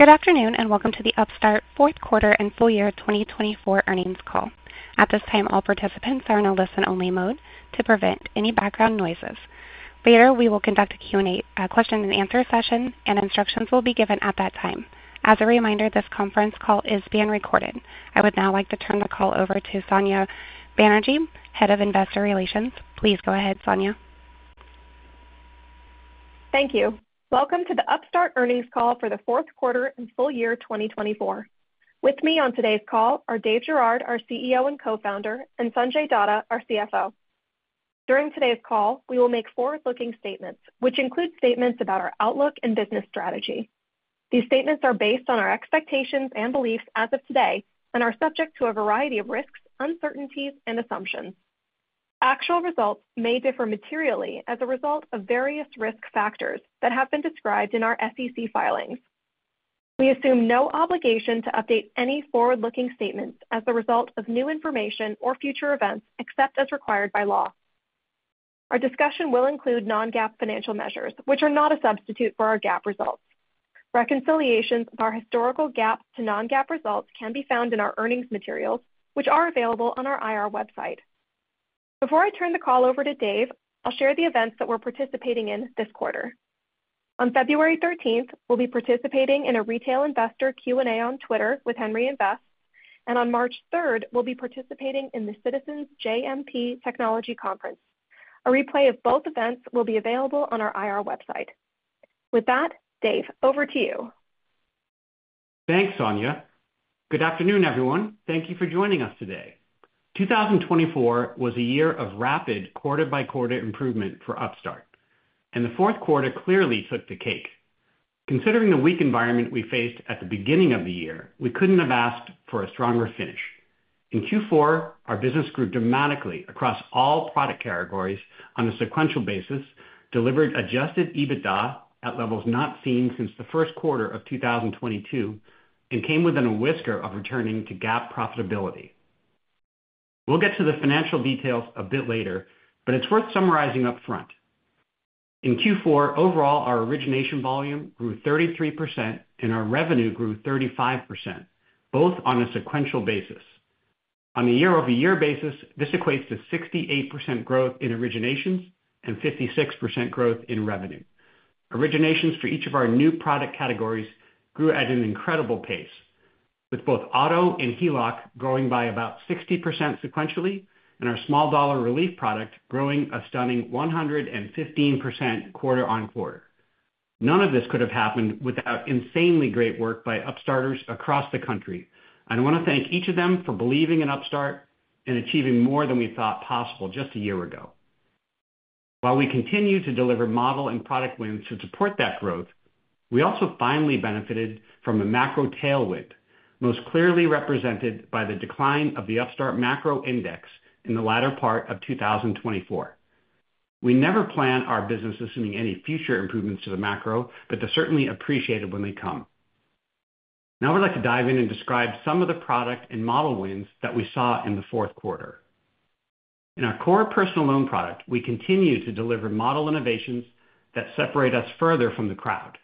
Good afternoon and welcome to the Upstart Fourth Quarter and Full Year 2024 earnings call. At this time, all participants are in a listen-only mode to prevent any background noises. Later, we will conduct a Q&A, a question-and-answer session, and instructions will be given at that time. As a reminder, this conference call is being recorded. I would now like to turn the call over to Sonya Banerjee, Head of Investor Relations. Please go ahead, Sonya. Thank you. Welcome to the Upstart earnings call for the Fourth Quarter and Full Year 2024. With me on today's call are Dave Girouard, our CEO and co-founder, and Sanjay Datta, our CFO. During today's call, we will make forward-looking statements, which include statements about our outlook and business strategy. These statements are based on our expectations and beliefs as of today and are subject to a variety of risks, uncertainties, and assumptions. Actual results may differ materially as a result of various risk factors that have been described in our SEC filings. We assume no obligation to update any forward-looking statements as a result of new information or future events except as required by law. Our discussion will include non-GAAP financial measures, which are not a substitute for our GAAP results. Reconciliations of our historical GAAP to non-GAAP results can be found in our earnings materials, which are available on our IR website. Before I turn the call over to Dave, I'll share the events that we're participating in this quarter. On February 13th, we'll be participating in a retail investor Q&A on Twitter with Henry Invest, and on March 3rd, we'll be participating in the Citizens JMP Technology Conference. A replay of both events will be available on our IR website. With that, Dave, over to you. Thanks, Sonya. Good afternoon, everyone. Thank you for joining us today. 2024 was a year of rapid quarter-by-quarter improvement for Upstart, and the fourth quarter clearly took the cake. Considering the weak environment we faced at the beginning of the year, we couldn't have asked for a stronger finish. In Q4, our business grew dramatically across all product categories on a sequential basis, delivered Adjusted EBITDA at levels not seen since the first quarter of 2022, and came within a whisker of returning to GAAP profitability. We'll get to the financial details a bit later, but it's worth summarizing upfront. In Q4, overall, our origination volume grew 33% and our revenue grew 35%, both on a sequential basis. On a year-over-year basis, this equates to 68% growth in originations and 56% growth in revenue. Originations for each of our new product categories grew at an incredible pace, with both auto and HELOC growing by about 60% sequentially, and our small-dollar relief product growing a stunning 115% quarter-on-quarter. None of this could have happened without insanely great work by Upstarters across the country. I want to thank each of them for believing in Upstart and achieving more than we thought possible just a year ago. While we continue to deliver model and product wins to support that growth, we also finally benefited from a macro tailwind, most clearly represented by the decline of the Upstart Macro Index in the latter part of 2024. We never plan our business assuming any future improvements to the macro, but they're certainly appreciated when they come. Now I'd like to dive in and describe some of the product and model wins that we saw in the fourth quarter. In our core personal loan product, we continue to deliver model innovations that separate us further from the crowd.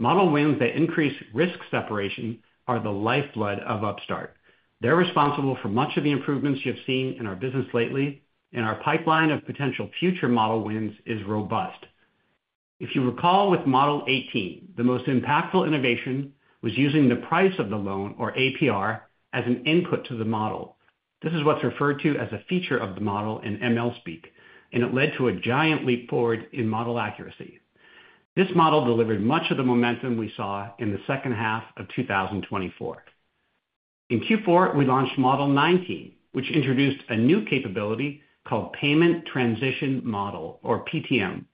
Model wins that increase risk separation are the lifeblood of Upstart. They're responsible for much of the improvements you've seen in our business lately, and our pipeline of potential future model wins is robust. If you recall, with Model 18, the most impactful innovation was using the price of the loan, or APR, as an input to the model. This is what's referred to as a feature of the model in ML speak, and it led to a giant leap forward in model accuracy. This model delivered much of the momentum we saw in the second half of 2024. In Q4, we launched Model 19, which introduced a new capability called Payment Transition Model, or PTM.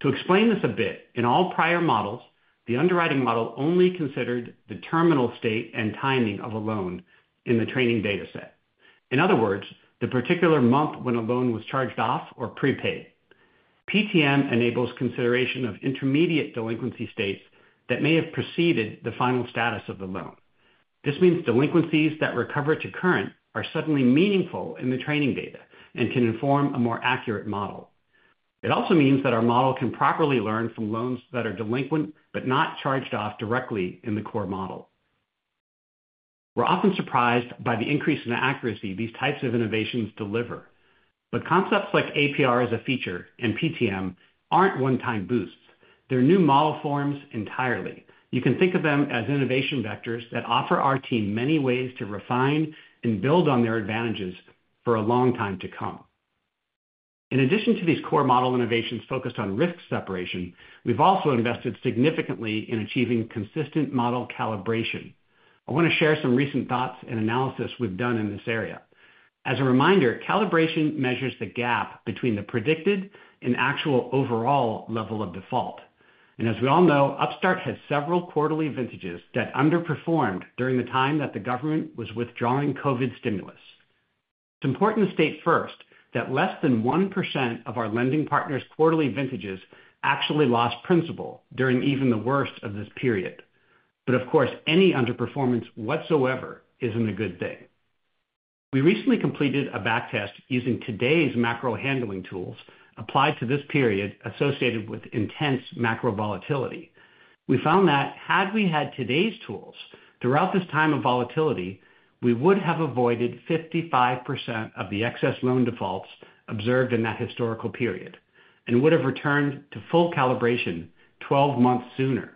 To explain this a bit, in all prior models, the underwriting model only considered the terminal state and timing of a loan in the training data set. In other words, the particular month when a loan was charged off or prepaid. PTM enables consideration of intermediate delinquency states that may have preceded the final status of the loan. This means delinquencies that recover to current are suddenly meaningful in the training data and can inform a more accurate model. It also means that our model can properly learn from loans that are delinquent but not charged off directly in the core model. We're often surprised by the increase in accuracy these types of innovations deliver, but concepts like APR as a feature and PTM aren't one-time boosts. They're new model forms entirely. You can think of them as innovation vectors that offer our team many ways to refine and build on their advantages for a long time to come. In addition to these core model innovations focused on risk separation, we've also invested significantly in achieving consistent model calibration. I want to share some recent thoughts and analysis we've done in this area. As a reminder, calibration measures the gap between the predicted and actual overall level of default, and as we all know, Upstart had several quarterly vintages that underperformed during the time that the government was withdrawing COVID stimulus. It's important to state first that less than 1% of our lending partners' quarterly vintages actually lost principal during even the worst of this period, but of course, any underperformance whatsoever isn't a good thing. We recently completed a backtest using today's macro handling tools applied to this period associated with intense macro volatility. We found that had we had today's tools throughout this time of volatility, we would have avoided 55% of the excess loan defaults observed in that historical period and would have returned to full calibration 12 months sooner.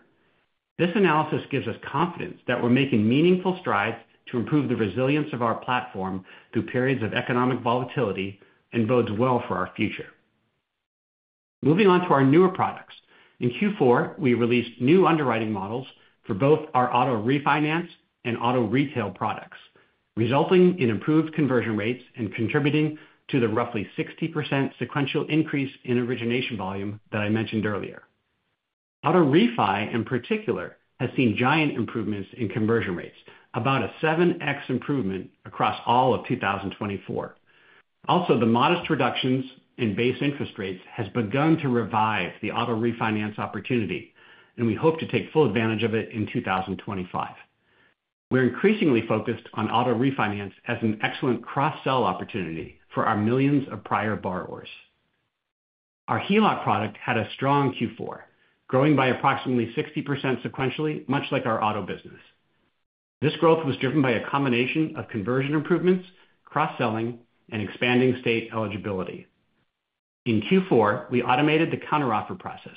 This analysis gives us confidence that we're making meaningful strides to improve the resilience of our platform through periods of economic volatility and bodes well for our future. Moving on to our newer products. In Q4, we released new underwriting models for both our auto refinance and auto retail products, resulting in improved conversion rates and contributing to the roughly 60% sequential increase in origination volume that I mentioned earlier. Auto refi, in particular, has seen giant improvements in conversion rates, about a 7X improvement across all of 2024. Also, the modest reductions in base interest rates have begun to revive the auto refinance opportunity, and we hope to take full advantage of it in 2025. We're increasingly focused on auto refinance as an excellent cross-sell opportunity for our millions of prior borrowers. Our HELOC product had a strong Q4, growing by approximately 60% sequentially, much like our auto business. This growth was driven by a combination of conversion improvements, cross-selling, and expanding state eligibility. In Q4, we automated the counter-offer process,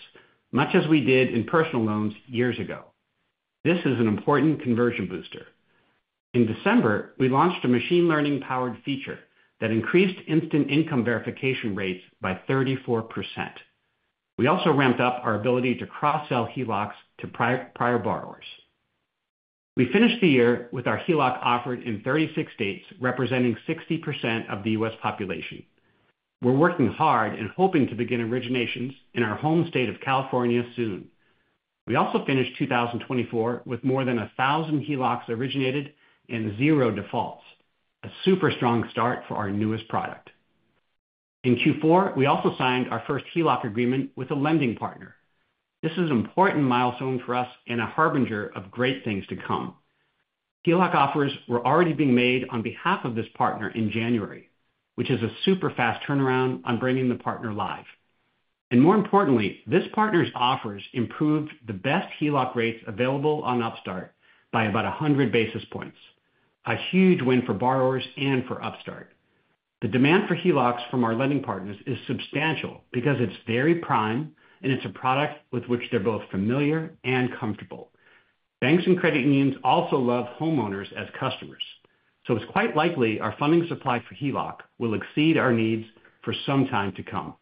much as we did in personal loans years ago. This is an important conversion booster. In December, we launched a machine learning-powered feature that increased instant income verification rates by 34%. We also ramped up our ability to cross-sell HELOCs to prior borrowers. We finished the year with our HELOC offered in 36 states, representing 60% of the U.S. population. We're working hard and hoping to begin originations in our home state of California soon. We also finished 2024 with more than 1,000 HELOCs originated and zero defaults, a super strong start for our newest product. In Q4, we also signed our first HELOC agreement with a lending partner. This is an important milestone for us and a harbinger of great things to come. HELOC offers were already being made on behalf of this partner in January, which is a super fast turnaround on bringing the partner live, and more importantly, this partner's offers improved the best HELOC rates available on Upstart by about 100 basis points, a huge win for borrowers and for Upstart. The demand for HELOCs from our lending partners is substantial because it's very prime and it's a product with which they're both familiar and comfortable. Banks and credit unions also love homeowners as customers, so it's quite likely our funding supply for HELOC will exceed our needs for some time to come.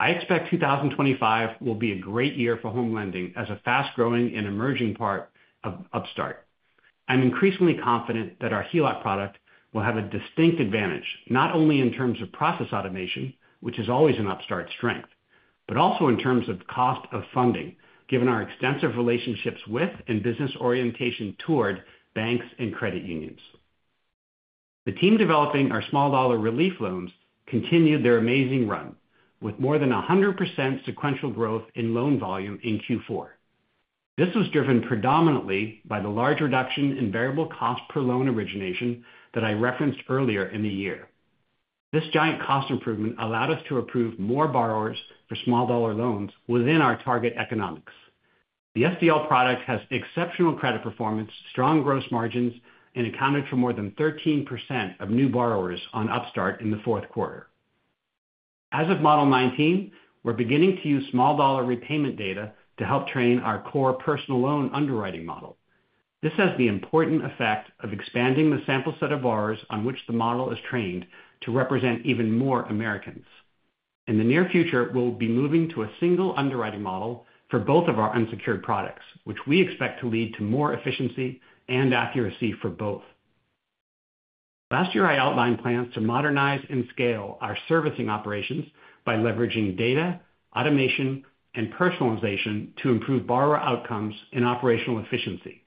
I expect 2025 will be a great year for home lending as a fast-growing and emerging part of Upstart. I'm increasingly confident that our HELOC product will have a distinct advantage, not only in terms of process automation, which is always an Upstart strength, but also in terms of cost of funding, given our extensive relationships with and business orientation toward banks and credit unions. The team developing our small-dollar relief loans continued their amazing run with more than 100% sequential growth in loan volume in Q4. This was driven predominantly by the large reduction in variable cost per loan origination that I referenced earlier in the year. This giant cost improvement allowed us to approve more borrowers for small-dollar loans within our target economics. The SDL product has exceptional credit performance, strong gross margins, and accounted for more than 13% of new borrowers on Upstart in the fourth quarter. As of Model 19, we're beginning to use small-dollar repayment data to help train our core personal loan underwriting model. This has the important effect of expanding the sample set of borrowers on which the model is trained to represent even more Americans. In the near future, we'll be moving to a single underwriting model for both of our unsecured products, which we expect to lead to more efficiency and accuracy for both. Last year, I outlined plans to modernize and scale our servicing operations by leveraging data, automation, and personalization to improve borrower outcomes and operational efficiency.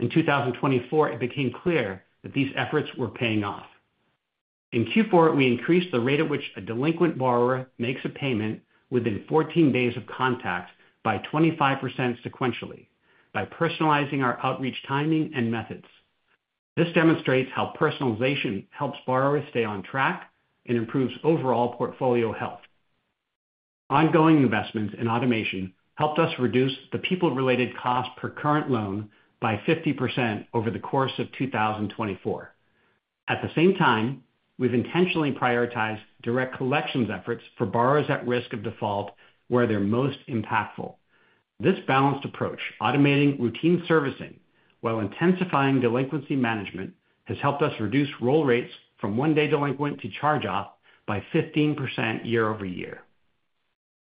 In 2024, it became clear that these efforts were paying off. In Q4, we increased the rate at which a delinquent borrower makes a payment within 14 days of contact by 25% sequentially by personalizing our outreach timing and methods. This demonstrates how personalization helps borrowers stay on track and improves overall portfolio health. Ongoing investments in automation helped us reduce the people-related cost per current loan by 50% over the course of 2024. At the same time, we've intentionally prioritized direct collections efforts for borrowers at risk of default where they're most impactful. This balanced approach, automating routine servicing while intensifying delinquency management, has helped us reduce roll rates from one-day delinquent to charge-off by 15% year over year.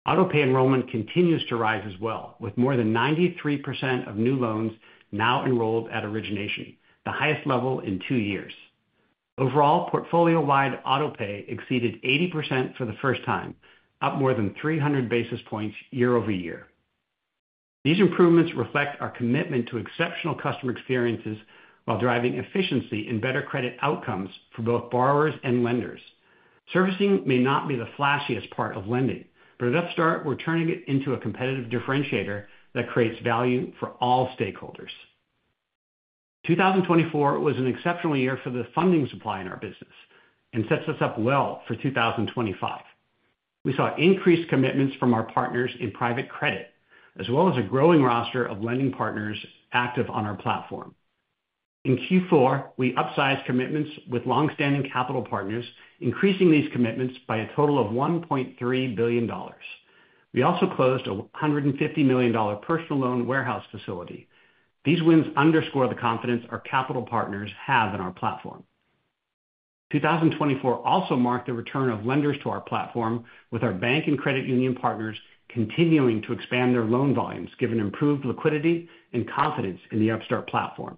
Autopay enrollment continues to rise as well, with more than 93% of new loans now enrolled at origination, the highest level in two years. Overall, portfolio-wide, autopay exceeded 80% for the first time, up more than 300 basis points year over year. These improvements reflect our commitment to exceptional customer experiences while driving efficiency and better credit outcomes for both borrowers and lenders. Servicing may not be the flashiest part of lending, but at Upstart, we're turning it into a competitive differentiator that creates value for all stakeholders. 2024 was an exceptional year for the funding supply in our business and sets us up well for 2025. We saw increased commitments from our partners in private credit, as well as a growing roster of lending partners active on our platform. In Q4, we upsized commitments with long-standing capital partners, increasing these commitments by a total of $1.3 billion. We also closed a $150 million personal loan warehouse facility. These wins underscore the confidence our capital partners have in our platform. 2024 also marked the return of lenders to our platform, with our bank and credit union partners continuing to expand their loan volumes, given improved liquidity and confidence in the Upstart platform.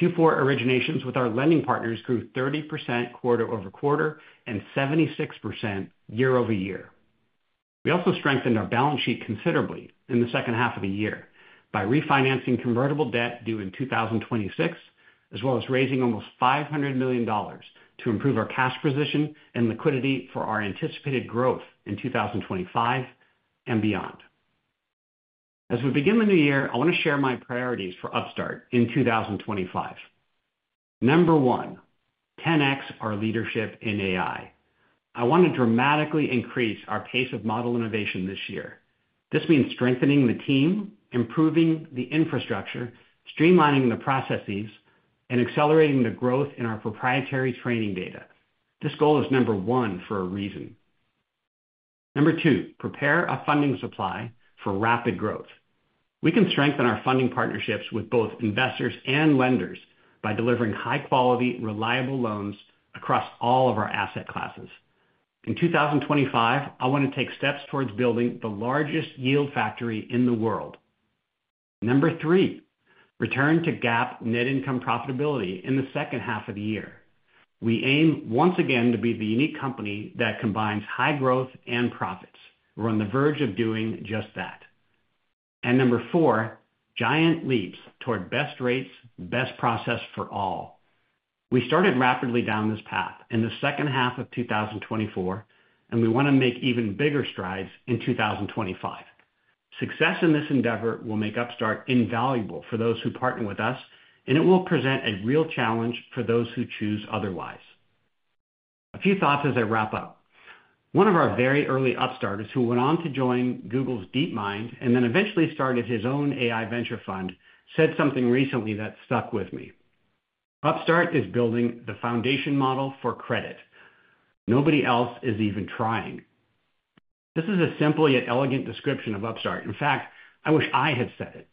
Q4 originations with our lending partners grew 30% quarter-over-quarter and 76% year over year. We also strengthened our balance sheet considerably in the second half of the year by refinancing convertible debt due in 2026, as well as raising almost $500 million to improve our cash position and liquidity for our anticipated growth in 2025 and beyond. As we begin the new year, I want to share my priorities for Upstart in 2025. Number one, 10X our leadership in AI. I want to dramatically increase our pace of model innovation this year. This means strengthening the team, improving the infrastructure, streamlining the processes, and accelerating the growth in our proprietary training data. This goal is number one for a reason. Number two, prepare a funding supply for rapid growth. We can strengthen our funding partnerships with both investors and lenders by delivering high-quality, reliable loans across all of our asset classes. In 2025, I want to take steps towards building the largest yield factory in the world. Number three, return to GAAP net income profitability in the second half of the year. We aim once again to be the unique company that combines high growth and profits. We're on the verge of doing just that, and number four, giant leaps toward best rates, best process for all. We started rapidly down this path in the second half of 2024, and we want to make even bigger strides in 2025. Success in this endeavor will make Upstart invaluable for those who partner with us, and it will present a real challenge for those who choose otherwise. A few thoughts as I wrap up. One of our very early Upstarters who went on to join Google's DeepMind and then eventually started his own AI venture fund said something recently that stuck with me. Upstart is building the foundation model for credit. Nobody else is even trying. This is a simple yet elegant description of Upstart. In fact, I wish I had said it.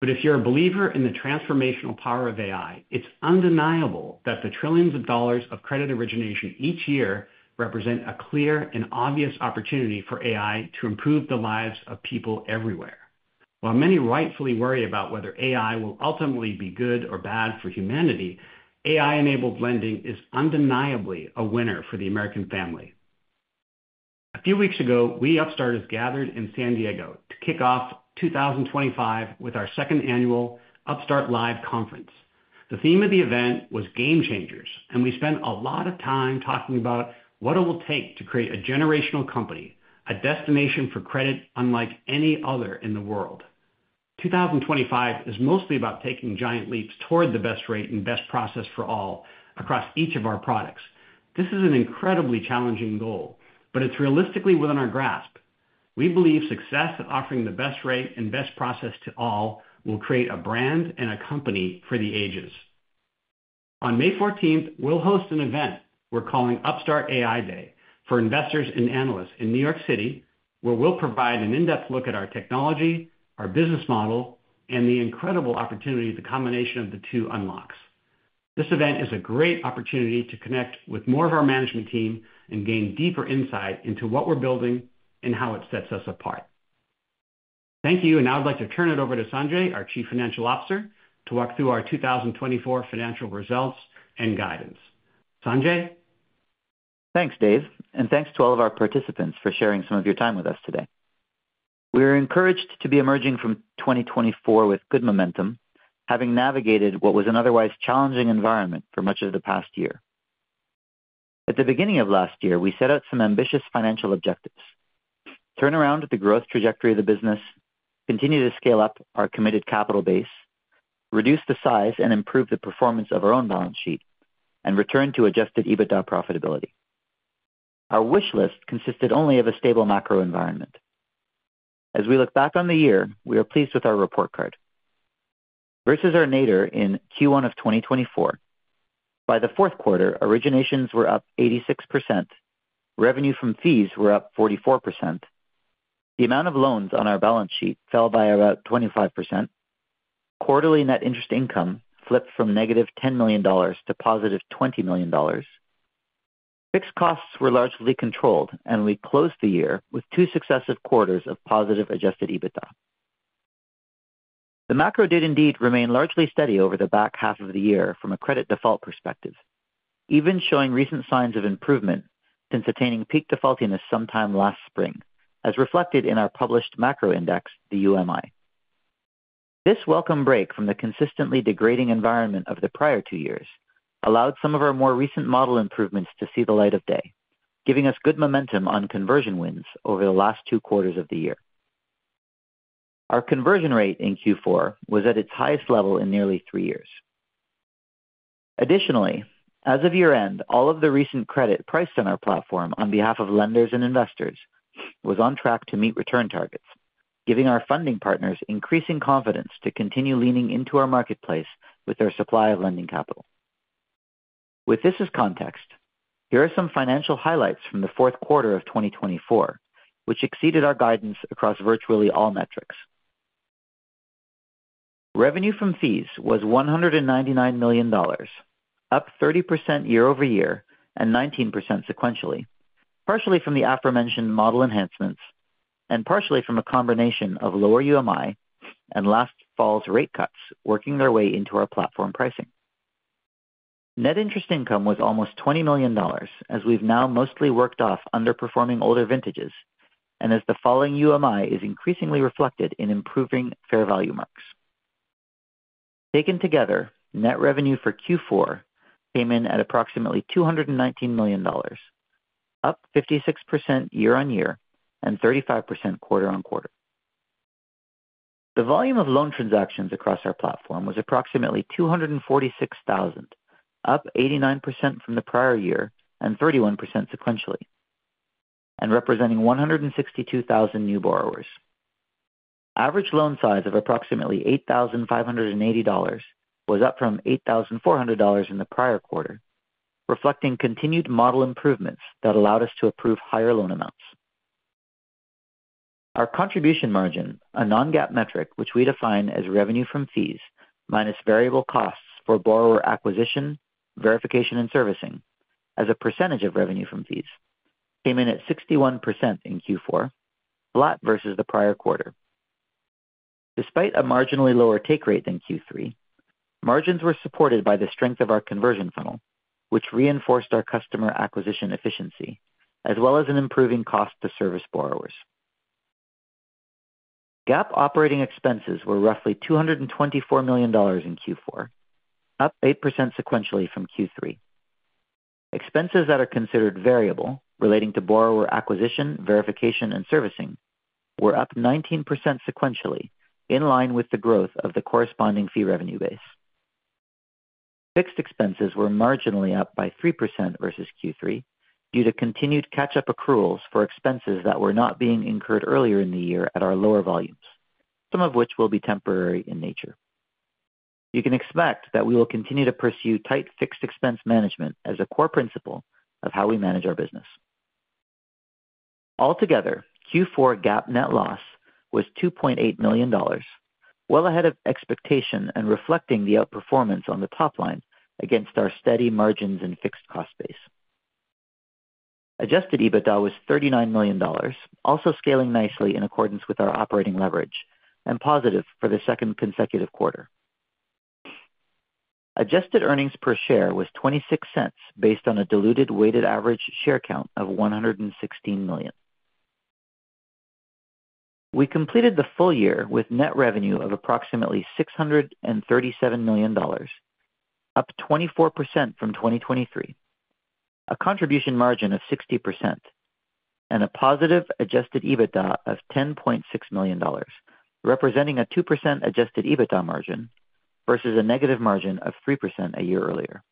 But if you're a believer in the transformational power of AI, it's undeniable that the trillions of dollars of credit origination each year represent a clear and obvious opportunity for AI to improve the lives of people everywhere. While many rightfully worry about whether AI will ultimately be good or bad for humanity, AI-enabled lending is undeniably a winner for the American family. A few weeks ago, we Upstarters gathered in San Diego to kick off 2025 with our second annual Upstart Live Conference. The theme of the event was game changers, and we spent a lot of time talking about what it will take to create a generational company, a destination for credit unlike any other in the world. 2025 is mostly about taking giant leaps toward the best rate and best process for all across each of our products. This is an incredibly challenging goal, but it's realistically within our grasp. We believe success at offering the best rate and best process to all will create a brand and a company for the ages. On May 14th, we'll host an event we're calling Upstart AI Day for investors and analysts in New York City, where we'll provide an in-depth look at our technology, our business model, and the incredible opportunity the combination of the two unlocks. This event is a great opportunity to connect with more of our management team and gain deeper insight into what we're building and how it sets us apart. Thank you, and now I'd like to turn it over to Sanjay, our Chief Financial Officer, to walk through our 2024 financial results and guidance. Sanjay? Thanks, Dave, and thanks to all of our participants for sharing some of your time with us today. We're encouraged to be emerging from 2024 with good momentum, having navigated what was an otherwise challenging environment for much of the past year. At the beginning of last year, we set out some ambitious financial objectives: turn around the growth trajectory of the business, continue to scale up our committed capital base, reduce the size and improve the performance of our own balance sheet, and return to Adjusted EBITDA profitability. Our wish list consisted only of a stable macro environment. As we look back on the year, we are pleased with our report card. Versus our nadir in Q1 of 2024, by the fourth quarter, originations were up 86%. Revenue from fees were up 44%. The amount of loans on our balance sheet fell by about 25%. Quarterly net interest income flipped from negative $10 million to positive $20 million. Fixed costs were largely controlled, and we closed the year with two successive quarters of positive Adjusted EBITDA. The macro did indeed remain largely steady over the back half of the year from a credit default perspective, even showing recent signs of improvement since attaining peak defaultiness sometime last spring, as reflected in our published macro index, the UMI. This welcome break from the consistently degrading environment of the prior two years allowed some of our more recent model improvements to see the light of day, giving us good momentum on conversion wins over the last two quarters of the year. Our conversion rate in Q4 was at its highest level in nearly three years. Additionally, as of year-end, all of the recent credit priced on our platform on behalf of lenders and investors was on track to meet return targets, giving our funding partners increasing confidence to continue leaning into our marketplace with their supply of lending capital. With this as context, here are some financial highlights from the fourth quarter of 2024, which exceeded our guidance across virtually all metrics. Revenue from fees was $199 million, up 30% year over year and 19% sequentially, partially from the aforementioned model enhancements and partially from a combination of lower UMI and last fall's rate cuts working their way into our platform pricing. Net interest income was almost $20 million, as we've now mostly worked off underperforming older vintages and as the falling UMI is increasingly reflected in improving fair value marks. Taken together, net revenue for Q4 came in at approximately $219 million, up 56% year on year and 35% quarter on quarter. The volume of loan transactions across our platform was approximately 246,000, up 89% from the prior year and 31% sequentially, and representing 162,000 new borrowers. Average loan size of approximately $8,580 was up from $8,400 in the prior quarter, reflecting continued model improvements that allowed us to approve higher loan amounts. Our contribution margin, a non-GAAP metric which we define as revenue from fees minus variable costs for borrower acquisition, verification, and servicing as a percentage of revenue from fees, came in at 61% in Q4, flat versus the prior quarter. Despite a marginally lower take rate than Q3, margins were supported by the strength of our conversion funnel, which reinforced our customer acquisition efficiency, as well as an improving cost-to-service borrowers. GAAP operating expenses were roughly $224 million in Q4, up 8% sequentially from Q3. Expenses that are considered variable relating to borrower acquisition, verification, and servicing were up 19% sequentially, in line with the growth of the corresponding fee revenue base. Fixed expenses were marginally up by 3% versus Q3 due to continued catch-up accruals for expenses that were not being incurred earlier in the year at our lower volumes, some of which will be temporary in nature. You can expect that we will continue to pursue tight fixed expense management as a core principle of how we manage our business. Altogether, Q4 GAAP net loss was $2.8 million, well ahead of expectation and reflecting the outperformance on the top line against our steady margins and fixed cost base. Adjusted EBITDA was $39 million, also scaling nicely in accordance with our operating leverage and positive for the second consecutive quarter. Adjusted earnings per share was $0.26 based on a diluted weighted average share count of 116 million. We completed the full year with net revenue of approximately $637 million, up 24% from 2023, a contribution margin of 60%, and a positive adjusted EBITDA of $10.6 million, representing a 2% adjusted EBITDA margin versus a negative margin of 3% a year earlier.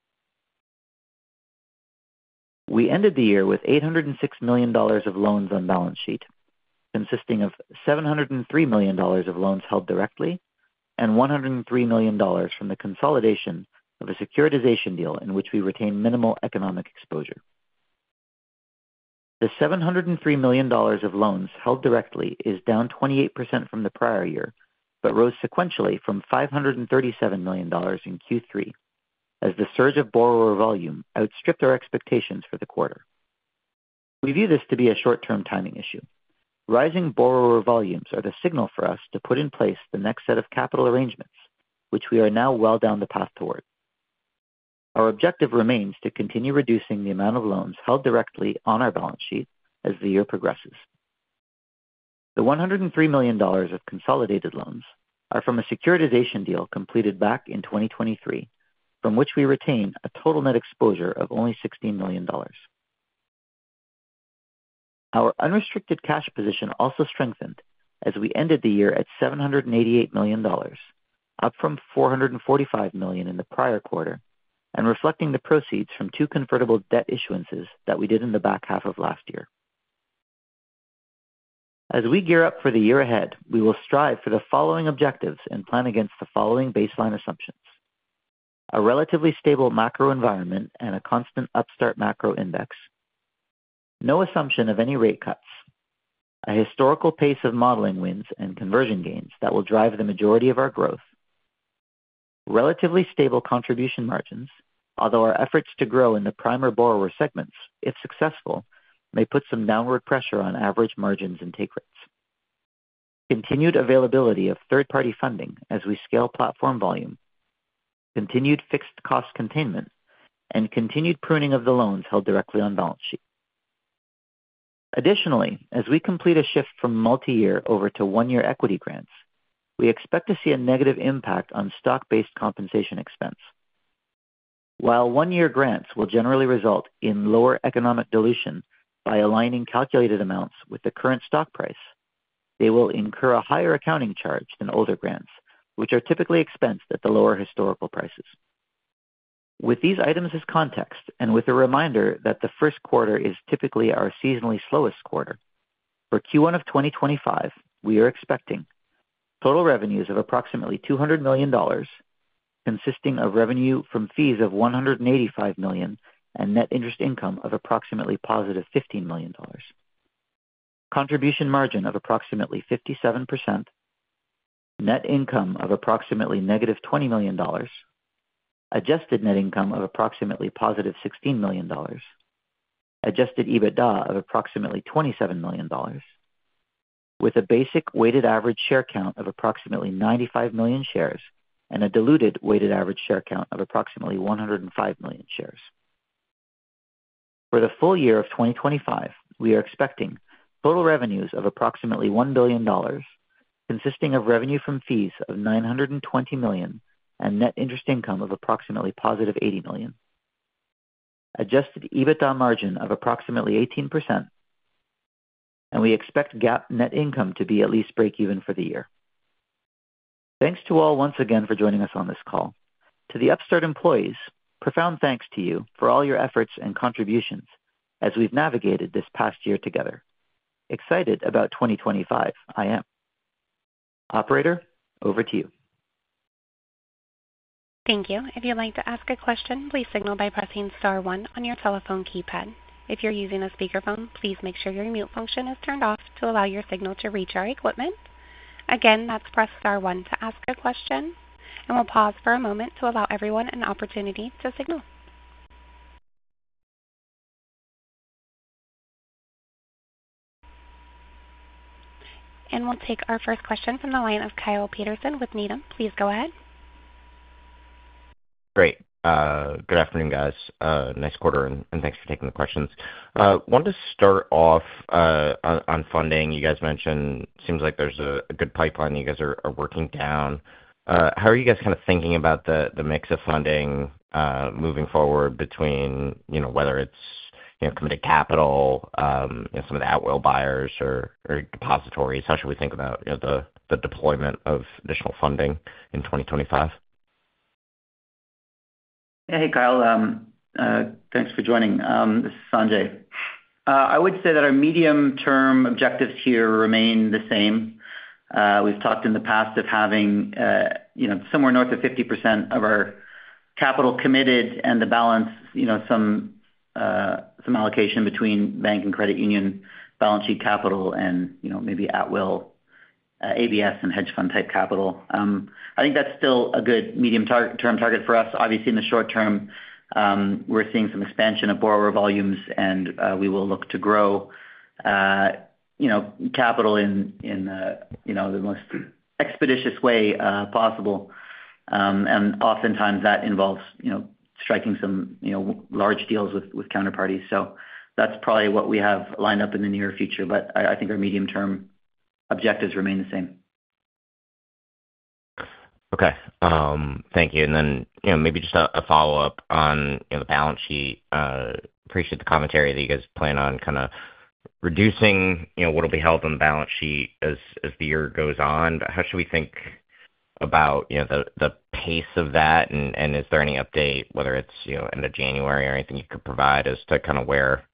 We ended the year with $806 million of loans on balance sheet, consisting of $703 million of loans held directly and $103 million from the consolidation of a securitization deal in which we retained minimal economic exposure. The $703 million of loans held directly is down 28% from the prior year but rose sequentially from $537 million in Q3, as the surge of borrower volume outstripped our expectations for the quarter. We view this to be a short-term timing issue. Rising borrower volumes are the signal for us to put in place the next set of capital arrangements, which we are now well down the path toward. Our objective remains to continue reducing the amount of loans held directly on our balance sheet as the year progresses. The $103 million of consolidated loans are from a securitization deal completed back in 2023, from which we retain a total net exposure of only $16 million. Our unrestricted cash position also strengthened as we ended the year at $788 million, up from $445 million in the prior quarter and reflecting the proceeds from two convertible debt issuances that we did in the back half of last year. As we gear up for the year ahead, we will strive for the following objectives and plan against the following baseline assumptions: a relatively stable macro environment and a constant Upstart Macro Index, no assumption of any rate cuts, a historical pace of modeling wins and conversion gains that will drive the majority of our growth, relatively stable contribution margins, although our efforts to grow in the prime borrower segments, if successful, may put some downward pressure on average margins and take rates, continued availability of third-party funding as we scale platform volume, continued fixed cost containment, and continued pruning of the loans held directly on balance sheet. Additionally, as we complete a shift from multi-year over to one-year equity grants, we expect to see a negative impact on stock-based compensation expense. While one-year grants will generally result in lower economic dilution by aligning calculated amounts with the current stock price, they will incur a higher accounting charge than older grants, which are typically expensed at the lower historical prices. With these items as context and with a reminder that the first quarter is typically our seasonally slowest quarter, for Q1 of 2025, we are expecting total revenues of approximately $200 million, consisting of revenue from fees of $185 million and net interest income of approximately positive $15 million, contribution margin of approximately 57%, net income of approximately negative $20 million, adjusted net income of approximately positive $16 million, adjusted EBITDA of approximately $27 million, with a basic weighted average share count of approximately 95 million shares and a diluted weighted average share count of approximately 105 million shares. For the full year of 2025, we are expecting total revenues of approximately $1 billion, consisting of revenue from fees of $920 million and net interest income of approximately positive $80 million, Adjusted EBITDA margin of approximately 18%, and we expect GAAP net income to be at least break-even for the year. Thanks to all once again for joining us on this call. To the Upstart employees, profound thanks to you for all your efforts and contributions as we've navigated this past year together. Excited about 2025, I am. Operator, over to you. Thank you. If you'd like to ask a question, please signal by pressing Star 1 on your telephone keypad. If you're using a speakerphone, please make sure your mute function is turned off to allow your signal to reach our equipment. Again, to press star 1 to ask a question, and we'll pause for a moment to allow everyone an opportunity to signal, and we'll take our first question from the line of Kyle Peterson with Needham. Please go ahead. Great. Good afternoon, guys. Nice quarter, and thanks for taking the questions. Wanted to start off on funding. You guys mentioned it seems like there's a good pipeline you guys are working on. How are you guys kind of thinking about the mix of funding moving forward, whether it's committed capital, some of the whole loan buyers, or depositories? How should we think about the deployment of additional funding in 2025? Hey, Kyle. Thanks for joining. This is Sanjay. I would say that our medium-term objectives here remain the same. We've talked in the past of having somewhere north of 50% of our capital committed and the balance, some allocation between bank and credit union balance sheet capital and maybe whole loan ABS and hedge fund-type capital. I think that's still a good medium-term target for us. Obviously, in the short term, we're seeing some expansion of borrower volumes, and we will look to grow capital in the most expeditious way possible. And oftentimes, that involves striking some large deals with counterparties. So that's probably what we have lined up in the near future, but I think our medium-term objectives remain the same. Okay. Thank you. And then maybe just a follow-up on the balance sheet. Appreciate the commentary that you guys plan on kind of reducing what will be held on the balance sheet as the year goes on. How should we think about the pace of that, and is there any update, whether it's end of January or anything you could provide, as to kind of where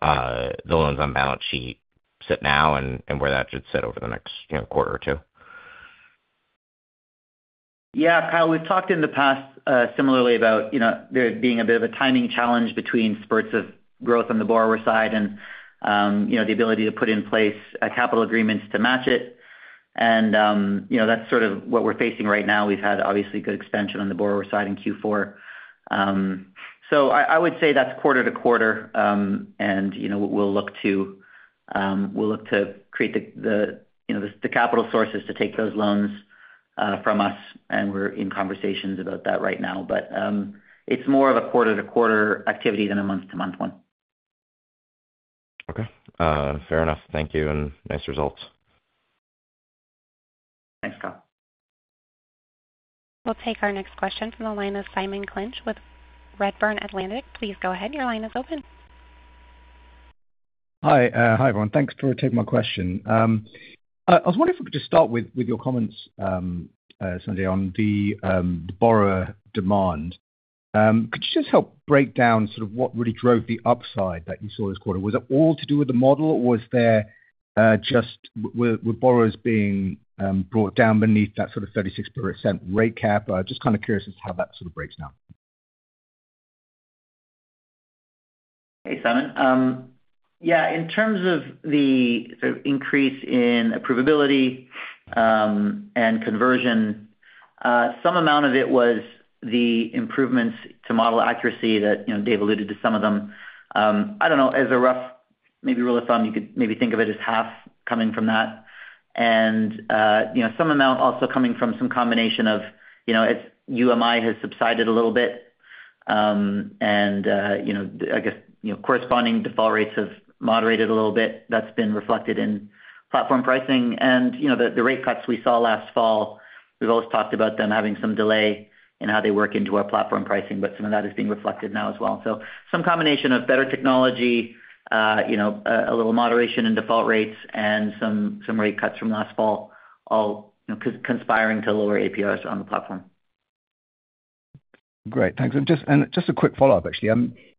the loans on balance sheet sit now and where that should sit over the next quarter or two? Yeah. Kyle, we've talked in the past similarly about there being a bit of a timing challenge between spurts of growth on the borrower side and the ability to put in place capital agreements to match it. And that's sort of what we're facing right now. We've had, obviously, good expansion on the borrower side in Q4. So I would say that's quarter to quarter, and we'll look to create the capital sources to take those loans from us. And we're in conversations about that right now, but it's more of a quarter-to-quarter activity than a month-to-month one. Okay. Fair enough. Thank you, and nice results. Thanks, Kyle. We'll take our next question from the line of Simon Clinch with Redburn Atlantic. Please go ahead. Your line is open. Hi, everyone. Thanks for taking my question. I was wondering if we could just start with your comments, Sanjay, on the borrower demand. Could you just help break down sort of what really drove the upside that you saw this quarter? Was it all to do with the model, or was there just with borrowers being brought down beneath that sort of 36% rate cap? Just kind of curious as to how that sort of breaks down. Hey, Simon. Yeah. In terms of the sort of increase in approvability and conversion, some amount of it was the improvements to model accuracy that Dave alluded to some of them. I don't know. As a rough, maybe rule of thumb, you could maybe think of it as half coming from that, and some amount also coming from some combination of as UMI has subsided a little bit and, I guess, corresponding default rates have moderated a little bit. That's been reflected in platform pricing, and the rate cuts we saw last fall, we've always talked about them having some delay in how they work into our platform pricing, but some of that is being reflected now as well, so some combination of better technology, a little moderation in default rates, and some rate cuts from last fall, all conspiring to lower APRs on the platform. Great. Thanks, and just a quick follow-up, actually.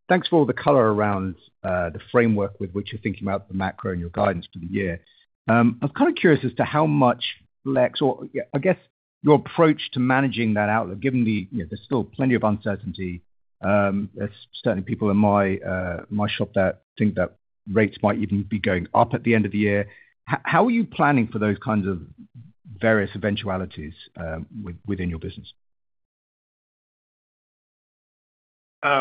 Thanks for all the color around the framework with which you're thinking about the macro and your guidance for the year. I was kind of curious as to how much flex or, I guess, your approach to managing that outlook, given there's still plenty of uncertainty. There's certainly people in my shop that think that rates might even be going up at the end of the year. How are you planning for those kinds of various eventualities within your business?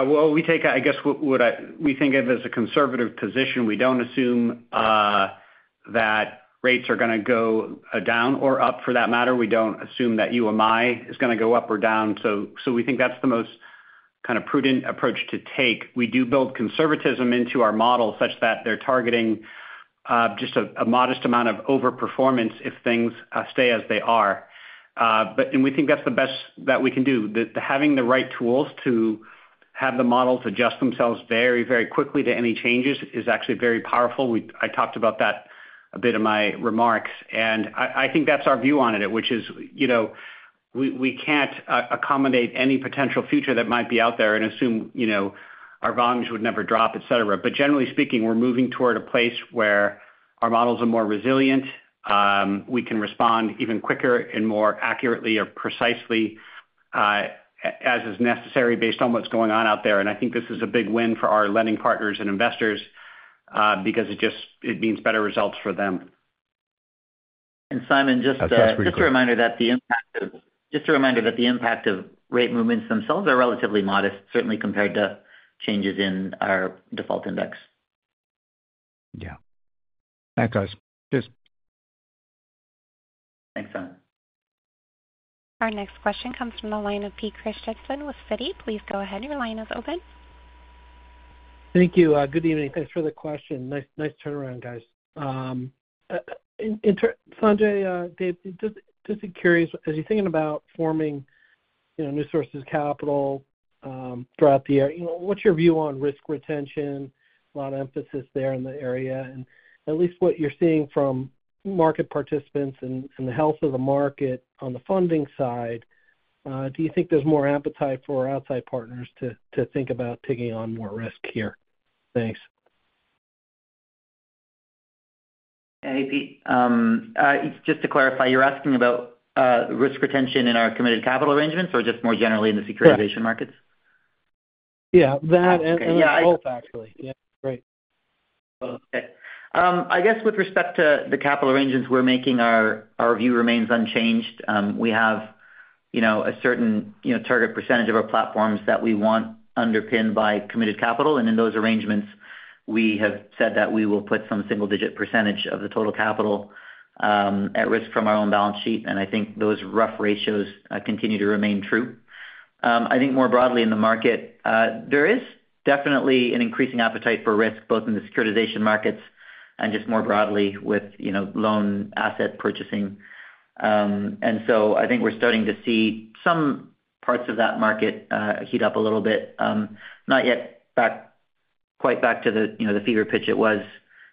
Well, we take, I guess, what we think of as a conservative position. We don't assume that rates are going to go down or up, for that matter. We don't assume that UMI is going to go up or down. So we think that's the most kind of prudent approach to take. We do build conservatism into our model such that they're targeting just a modest amount of overperformance if things stay as they are. And we think that's the best that we can do. Having the right tools to have the models adjust themselves very, very quickly to any changes is actually very powerful. I talked about that a bit in my remarks. And I think that's our view on it, which is we can't accommodate any potential future that might be out there and assume our volumes would never drop, etc. But generally speaking, we're moving toward a place where our models are more resilient. We can respond even quicker and more accurately or precisely as is necessary based on what's going on out there. And I think this is a big win for our lending partners and investors because it means better results for them. And Simon, just a reminder that the impact of rate movements themselves are relatively modest, certainly compared to changes in our default index. Yeah. Thanks, guys. Cheers. Thanks, Simon. Our next question comes from the line of Pete Christiansen with Citi. Please go ahead. Your line is open. Thank you. Good evening. Thanks for the question. Nice turnaround, guys. Sanjay, Dave, just curious, as you're thinking about forming new sources of capital throughout the year, what's your view on risk retention? A lot of emphasis there in the area, and at least what you're seeing from market participants and the health of the market on the funding side, do you think there's more appetite for outside partners to think about taking on more risk here? Thanks. Hey, Pete. Just to clarify, you're asking about risk retention in our committed capital arrangements or just more generally in the securitization markets? Yeah. That and both, actually. Yeah. Great. Okay. I guess with respect to the capital arrangements we're making, our view remains unchanged. We have a certain target percentage of our platforms that we want underpinned by committed capital. And in those arrangements, we have said that we will put some single-digit % of the total capital at risk from our own balance sheet. And I think those rough ratios continue to remain true. I think more broadly in the market, there is definitely an increasing appetite for risk, both in the securitization markets and just more broadly with loan asset purchasing. And so I think we're starting to see some parts of that market heat up a little bit. Not yet quite back to the fever pitch it was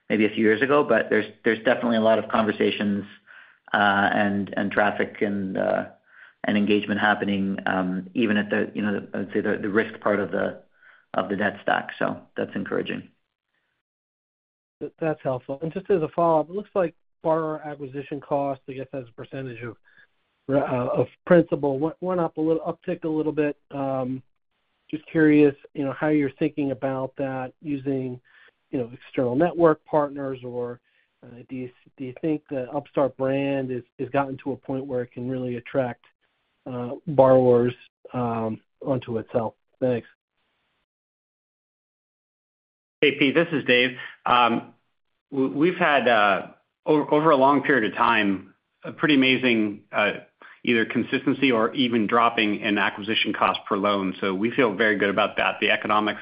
maybe a few years ago, but there's definitely a lot of conversations and traffic and engagement happening, even at the, I'd say, the risk part of the debt stack. So that's encouraging. That's helpful. And just as a follow-up, it looks like borrower acquisition costs, I guess, as a percentage of principal, went up a little, upticked a little bit. Just curious how you're thinking about that using external network partners, or do you think the Upstart brand has gotten to a point where it can really attract borrowers onto itself? Thanks. Hey, Pete. This is Dave. We've had, over a long period of time, a pretty amazing either consistency or even dropping in acquisition costs per loan. So we feel very good about that. The economics,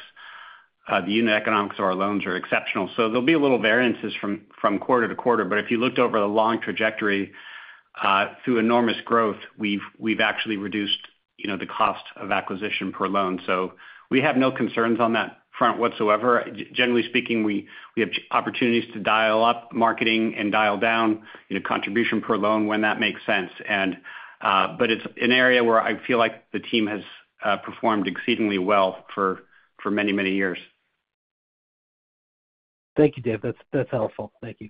the unit economics of our loans are exceptional. So there'll be a little variances from quarter to quarter. But if you looked over the long trajectory through enormous growth, we've actually reduced the cost of acquisition per loan. So we have no concerns on that front whatsoever. Generally speaking, we have opportunities to dial up marketing and dial down contribution per loan when that makes sense. But it's an area where I feel like the team has performed exceedingly well for many, many years. Thank you, Dave. That's helpful. Thank you.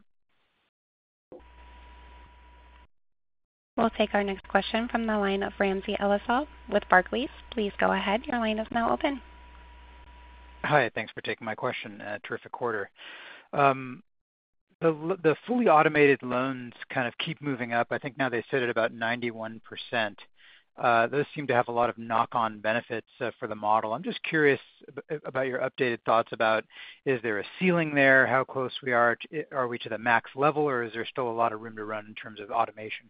We'll take our next question from the line of Ramsey El-Assal with Barclays. Please go ahead. Your line is now open. Hi. Thanks for taking my question. Terrific quarter. The fully automated loans kind of keep moving up. I think now they sit at about 91%. Those seem to have a lot of knock-on benefits for the model. I'm just curious about your updated thoughts about, is there a ceiling there? How close we are? Are we to the max level, or is there still a lot of room to run in terms of automation?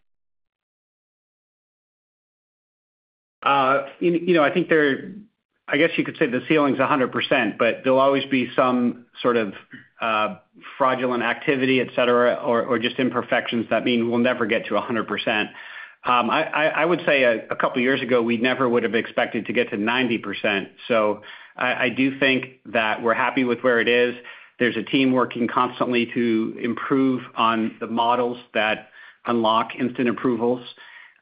I think there, I guess you could say, the ceiling's 100%, but there'll always be some sort of fraudulent activity, etc., or just imperfections that mean we'll never get to 100%. I would say a couple of years ago, we never would have expected to get to 90%. So I do think that we're happy with where it is. There's a team working constantly to improve on the models that unlock instant approvals.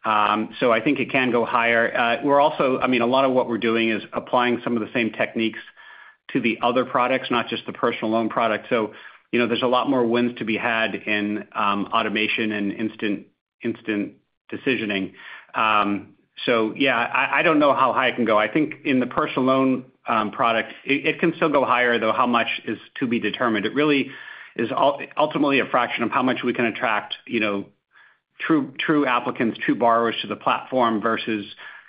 So I think it can go higher. We're also, I mean, a lot of what we're doing is applying some of the same techniques to the other products, not just the personal loan product. So there's a lot more wins to be had in automation and instant decisioning. So yeah, I don't know how high it can go. I think in the personal loan product, it can still go higher, though. How much is to be determined? It really is ultimately a fraction of how much we can attract true applicants, true borrowers to the platform versus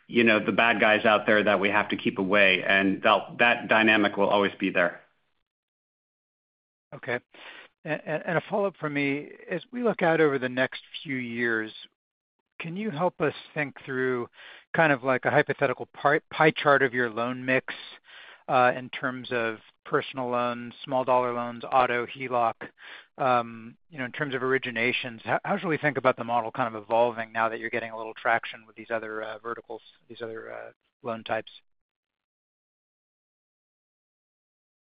the bad guys out there that we have to keep away. And that dynamic will always be there. Okay. And a follow-up from me is, we look out over the next few years, can you help us think through kind of like a hypothetical pie chart of your loan mix in terms of personal loans, small-dollar loans, auto, HELOC, in terms of originations? How should we think about the model kind of evolving now that you're getting a little traction with these other verticals, these other loan types?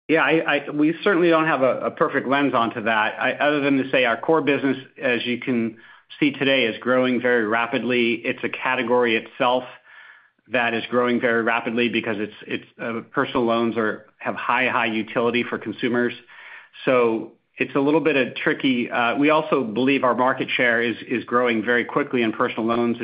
Yeah. We certainly don't have a perfect lens onto that. Other than to say our core business, as you can see today, is growing very rapidly. It's a category itself that is growing very rapidly because personal loans have high, high utility for consumers. So it's a little bit tricky. We also believe our market share is growing very quickly in personal loans.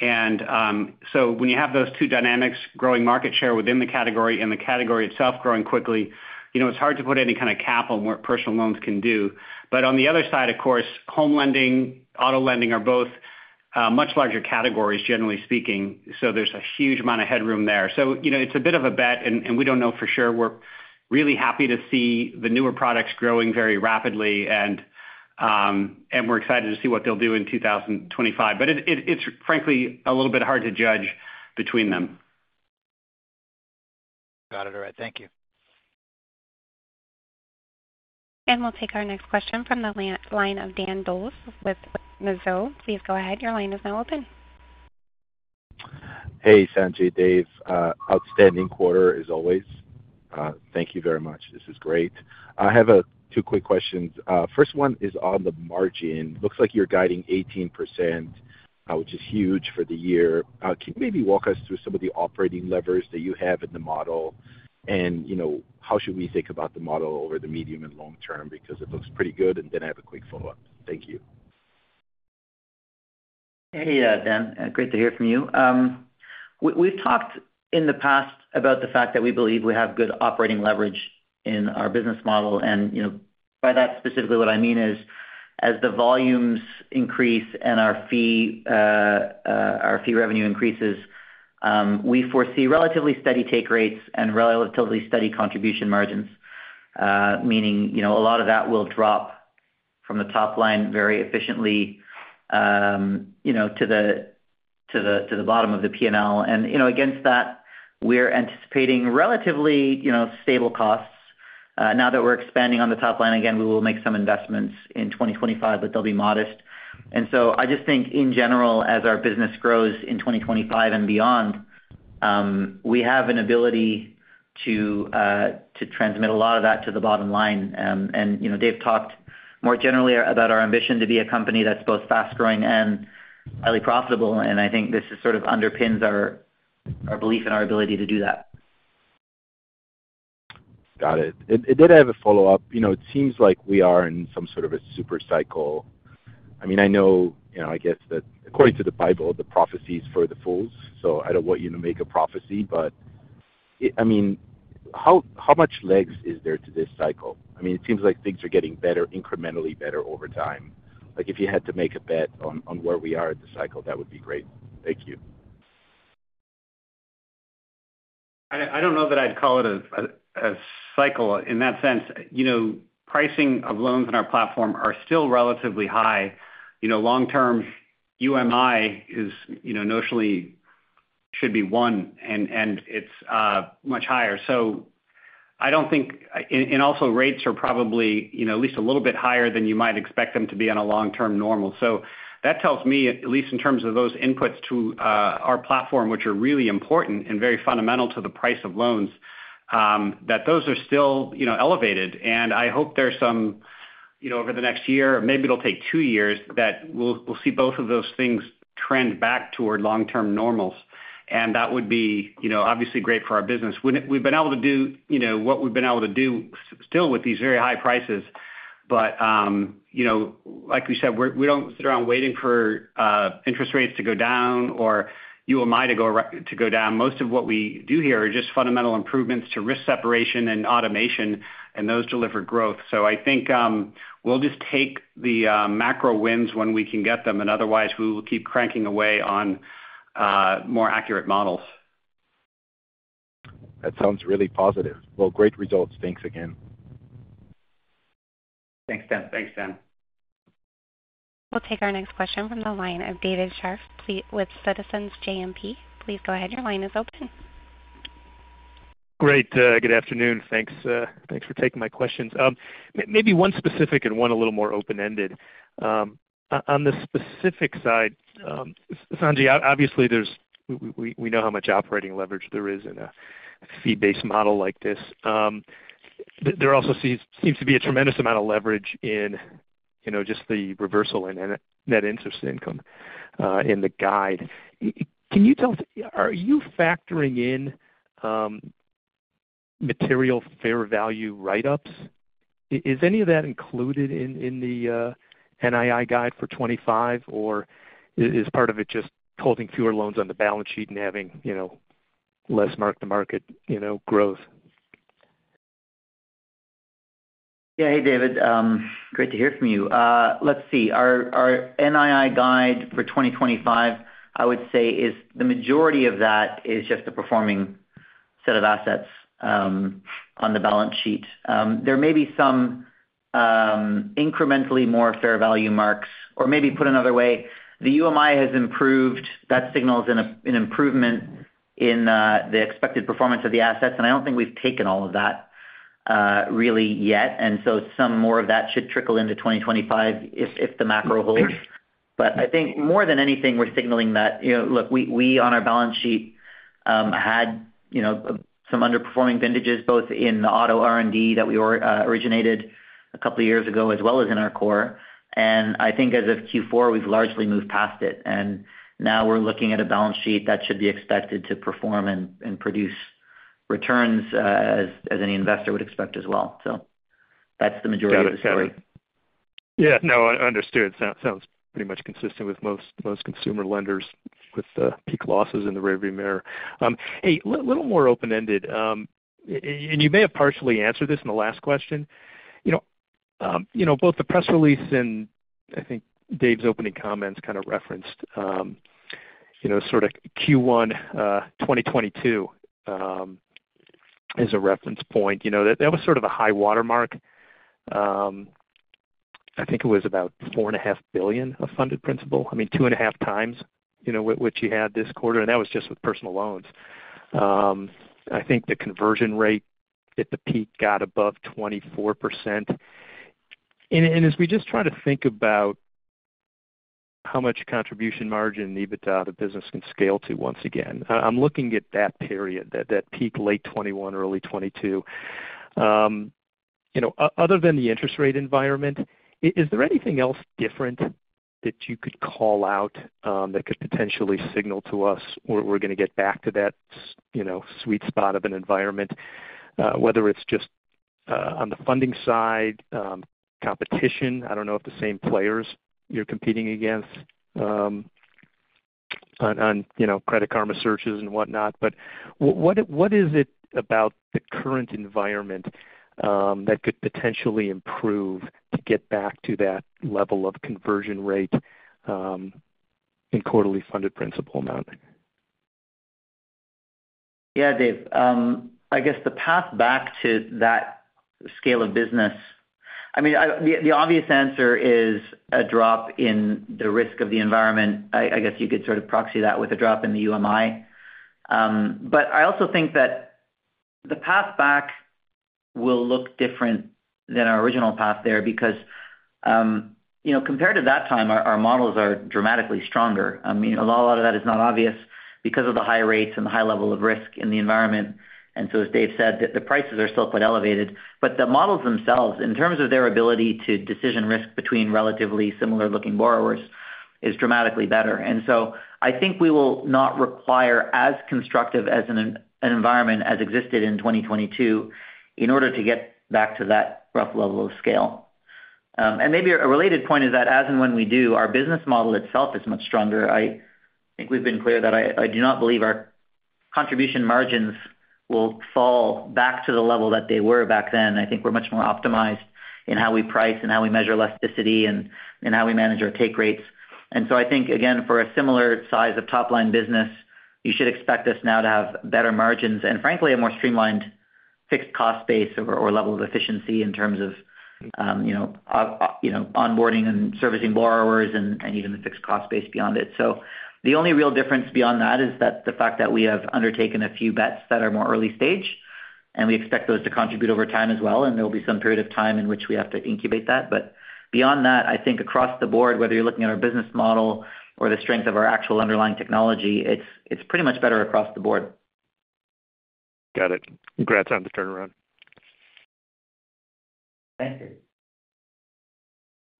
And so when you have those two dynamics, growing market share within the category and the category itself growing quickly, it's hard to put any kind of cap on what personal loans can do. But on the other side, of course, home lending, auto lending are both much larger categories, generally speaking. So there's a huge amount of headroom there. So it's a bit of a bet, and we don't know for sure. We're really happy to see the newer products growing very rapidly, and we're excited to see what they'll do in 2025. But it's, frankly, a little bit hard to judge between them. Got it. All right. Thank you. And we'll take our next question from the line of Dan Dolev with Mizuho. Please go ahead. Your line is now open. Hey, Sanjay. Dave, outstanding quarter as always. Thank you very much. This is great. I have two quick questions. First one is on the margin. Looks like you're guiding 18%, which is huge for the year. Can you maybe walk us through some of the operating levers that you have in the model, and how should we think about the model over the medium and long term? Because it looks pretty good, and then I have a quick follow-up. Thank you. Hey, Dan. Great to hear from you. We've talked in the past about the fact that we believe we have good operating leverage in our business model. And by that, specifically, what I mean is, as the volumes increase and our fee revenue increases, we foresee relatively steady take rates and relatively steady contribution margins, meaning a lot of that will drop from the top line very efficiently to the bottom of the P&L. And against that, we're anticipating relatively stable costs. Now that we're expanding on the top line again, we will make some investments in 2025, but they'll be modest. And so I just think, in general, as our business grows in 2025 and beyond, we have an ability to transmit a lot of that to the bottom line. And Dave talked more generally about our ambition to be a company that's both fast-growing and highly profitable. And I think this sort of underpins our belief in our ability to do that. Got it. And did I have a follow-up? It seems like we are in some sort of a supercycle. I mean, I know, I guess, that according to the Bible, the prophecies for the fools. So I don't want you to make a prophecy, but I mean, how much legs is there to this cycle? I mean, it seems like things are getting better, incrementally better over time. If you had to make a bet on where we are at the cycle, that would be great. Thank you. I don't know that I'd call it a cycle in that sense. Pricing of loans on our platform are still relatively high. Long-term, UMI notionally should be one, and it's much higher. So I don't think, and also rates are probably at least a little bit higher than you might expect them to be on a long-term normal. So that tells me, at least in terms of those inputs to our platform, which are really important and very fundamental to the price of loans, that those are still elevated, and I hope there's some over the next year, maybe it'll take two years, that we'll see both of those things trend back toward long-term normals, and that would be obviously great for our business. We've been able to do what we've been able to do still with these very high prices, but like we said, we don't sit around waiting for interest rates to go down or UMI to go down. Most of what we do here are just fundamental improvements to risk separation and automation, and those deliver growth, so I think we'll just take the macro wins when we can get them, and otherwise, we will keep cranking away on more accurate models. That sounds really positive. Well, great results. Thanks again. Thanks, Dan. Thanks, Dan. We'll take our next question from the line of David Scharf with Citizens JMP. Please go ahead. Your line is open. Great. Good afternoon. Thanks for taking my questions. Maybe one specific and one a little more open-ended. On the specific side, Sanjay, obviously, we know how much operating leverage there is in a fee-based model like this. There also seems to be a tremendous amount of leverage in just the reversal and net interest income in the guide. Can you tell us, are you factoring in material fair value write-ups? Is any of that included in the NII guide for 2025, or is part of it just holding fewer loans on the balance sheet and having less mark-to-market growth? Yeah. Hey, David. Great to hear from you. Let's see. Our NII guide for 2025, I would say, is the majority of that is just a performing set of assets on the balance sheet. There may be some incrementally more fair value marks, or maybe put another way, the UMI has improved. That signals an improvement in the expected performance of the assets, and I don't think we've taken all of that really yet, and so some more of that should trickle into 2025 if the macro holds, but I think more than anything, we're signaling that, look, we on our balance sheet had some underperforming vintages, both in the auto refi and retail that we originated a couple of years ago as well as in our core, and I think as of Q4, we've largely moved past it. And now we're looking at a balance sheet that should be expected to perform and produce returns as any investor would expect as well. So that's the majority of the story. Yeah. No, understood. Sounds pretty much consistent with most consumer lenders with the peak losses in the rearview mirror. Hey, a little more open-ended, and you may have partially answered this in the last question. Both the press release and I think Dave's opening comments kind of referenced sort of Q1 2022 as a reference point. That was sort of a high watermark. I think it was about $4.5 billion of funded principal. I mean, two and a half times what you had this quarter. And that was just with personal loans. I think the conversion rate at the peak got above 24%. And as we just try to think about how much contribution margin EBITDA the business can scale to once again, I'm looking at that period, that peak late 2021, early 2022. Other than the interest rate environment, is there anything else different that you could call out that could potentially signal to us we're going to get back to that sweet spot of an environment, whether it's just on the funding side, competition? I don't know if the same players you're competing against on Credit Karma searches and whatnot. But what is it about the current environment that could potentially improve to get back to that level of conversion rate in quarterly funded principal amount? Yeah, Dave. I guess the path back to that scale of business, I mean, the obvious answer is a drop in the risk of the environment. I guess you could sort of proxy that with a drop in the UMI. But I also think that the path back will look different than our original path there because compared to that time, our models are dramatically stronger. I mean, a lot of that is not obvious because of the high rates and the high level of risk in the environment. And so, as Dave said, the prices are still quite elevated. But the models themselves, in terms of their ability to decision risk between relatively similar-looking borrowers, is dramatically better. And so I think we will not require as constructive an environment as existed in 2022 in order to get back to that rough level of scale. And maybe a related point is that as and when we do, our business model itself is much stronger. I think we've been clear that I do not believe our contribution margins will fall back to the level that they were back then. I think we're much more optimized in how we price and how we measure elasticity and how we manage our take rates. And so I think, again, for a similar size of top-line business, you should expect us now to have better margins and, frankly, a more streamlined fixed cost base or level of efficiency in terms of onboarding and servicing borrowers and even the fixed cost base beyond it. So the only real difference beyond that is the fact that we have undertaken a few bets that are more early stage, and we expect those to contribute over time as well. And there will be some period of time in which we have to incubate that. But beyond that, I think across the board, whether you're looking at our business model or the strength of our actual underlying technology, it's pretty much better across the board. Got it. Congrats on the turnaround. Thank you.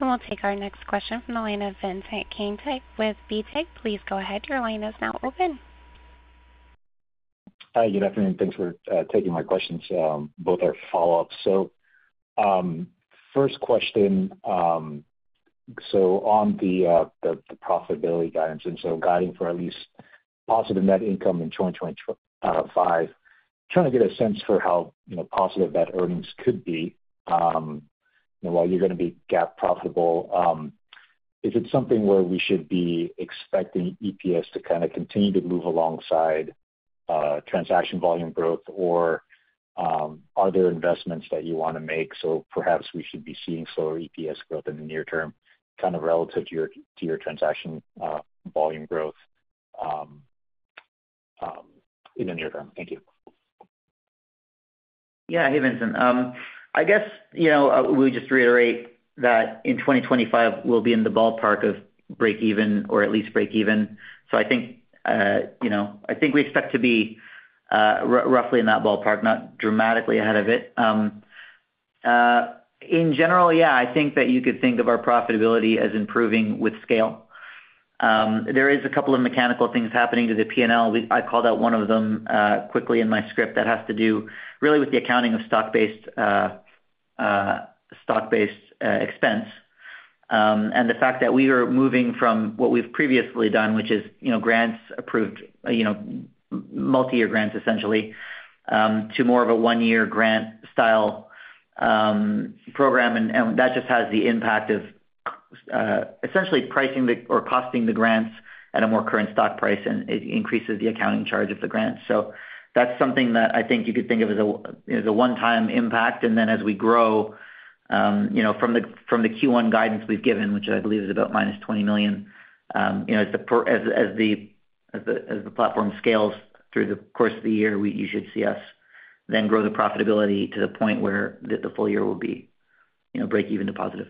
And we'll take our next question from the line of Vincent Caintic with BTIG. Please go ahead. Your line is now open. Hi. Good afternoon. Thanks for taking my questions. Both are follow-ups. So first question. So on the profitability guidance, and so guiding for at least positive net income in 2025, trying to get a sense for how positive that earnings could be while you're going to be GAAP profitable. Is it something where we should be expecting EPS to kind of continue to move alongside transaction volume growth, or are there investments that you want to make? So perhaps we should be seeing slower EPS growth in the near term kind of relative to your transaction volume growth in the near term. Thank you. Yeah. Hey, Vincent. I guess we'll just reiterate that in 2025, we'll be in the ballpark of break-even or at least break-even. So I think we expect to be roughly in that ballpark, not dramatically ahead of it. In general, yeah, I think that you could think of our profitability as improving with scale. There is a couple of mechanical things happening to the P&L. I called out one of them quickly in my script that has to do really with the accounting of stock-based expense. And the fact that we are moving from what we've previously done, which is grants approved, multi-year grants essentially, to more of a one-year grant-style program. That just has the impact of essentially pricing or costing the grants at a more current stock price, and it increases the accounting charge of the grants. So that's something that I think you could think of as a one-time impact. And then as we grow from the Q1 guidance we've given, which I believe is about -$20 million, as the platform scales through the course of the year, you should see us then grow the profitability to the point where the full year will be break-even to positive.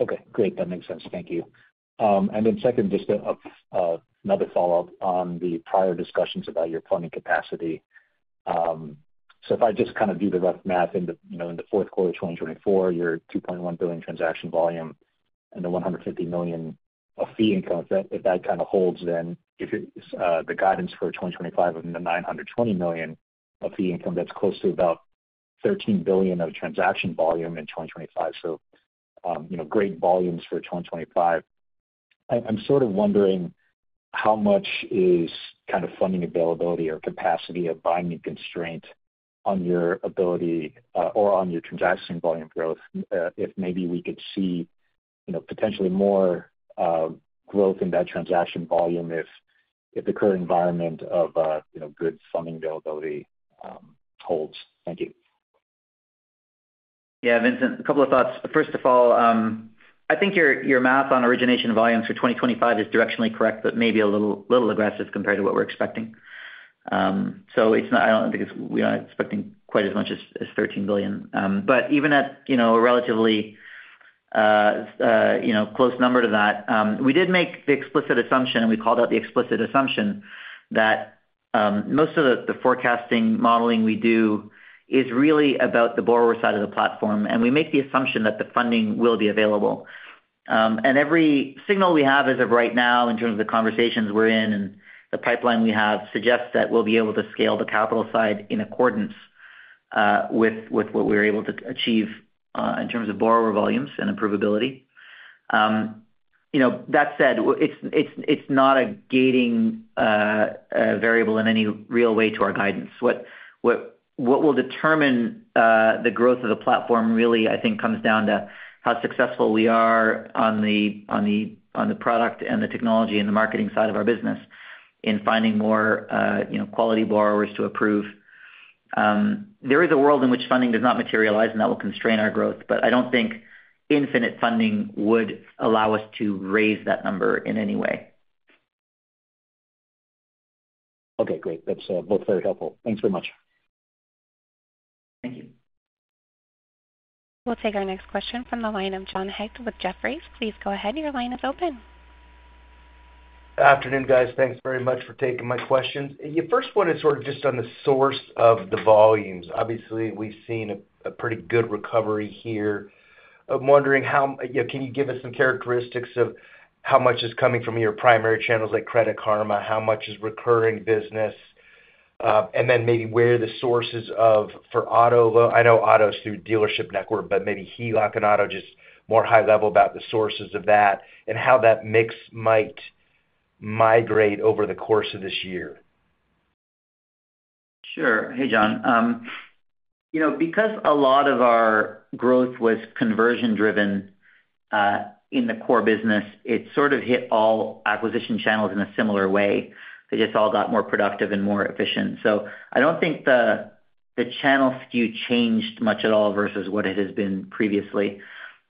Okay. Great. That makes sense. Thank you. And then second, just another follow-up on the prior discussions about your funding capacity. So if I just kind of do the rough math in the fourth quarter of 2024, your $2.1 billion transaction volume and the $150 million of fee income, if that kind of holds, then the guidance for 2025 of the $920 million of fee income, that's close to about $13 billion of transaction volume in 2025. So great volumes for 2025. I'm sort of wondering how much is kind of funding availability or capacity of binding constraint on your ability or on your transaction volume growth if maybe we could see potentially more growth in that transaction volume if the current environment of good funding availability holds. Thank you. Yeah, Vincent. A couple of thoughts. First of all, I think your math on origination volumes for 2025 is directionally correct, but maybe a little aggressive compared to what we're expecting. So I don't think we're expecting quite as much as $13 billion. But even at a relatively close number to that, we did make the explicit assumption, and we called out the explicit assumption that most of the forecasting modeling we do is really about the borrower side of the platform. And we make the assumption that the funding will be available. And every signal we have as of right now in terms of the conversations we're in and the pipeline we have suggests that we'll be able to scale the capital side in accordance with what we're able to achieve in terms of borrower volumes and approvability. That said, it's not a gating variable in any real way to our guidance. What will determine the growth of the platform really, I think, comes down to how successful we are on the product and the technology and the marketing side of our business in finding more quality borrowers to approve. There is a world in which funding does not materialize, and that will constrain our growth. But I don't think infinite funding would allow us to raise that number in any way. Okay. Great. That's both very helpful. Thanks very much. Thank you. We'll take our next question from the line of John Hecht with Jefferies. Please go ahead. Your line is open. Good afternoon, guys. Thanks very much for taking my questions. Your first one is sort of just on the source of the volumes. Obviously, we've seen a pretty good recovery here. I'm wondering, can you give us some characteristics of how much is coming from your primary channels like Credit Karma? How much is recurring business? And then maybe where the sources of for auto? I know auto is through Dealership Network, but maybe HELOC and auto, just more high level about the sources of that and how that mix might migrate over the course of this year. Sure. Hey, John. Because a lot of our growth was conversion-driven in the core business, it sort of hit all acquisition channels in a similar way. They just all got more productive and more efficient. So I don't think the channel skew changed much at all versus what it has been previously.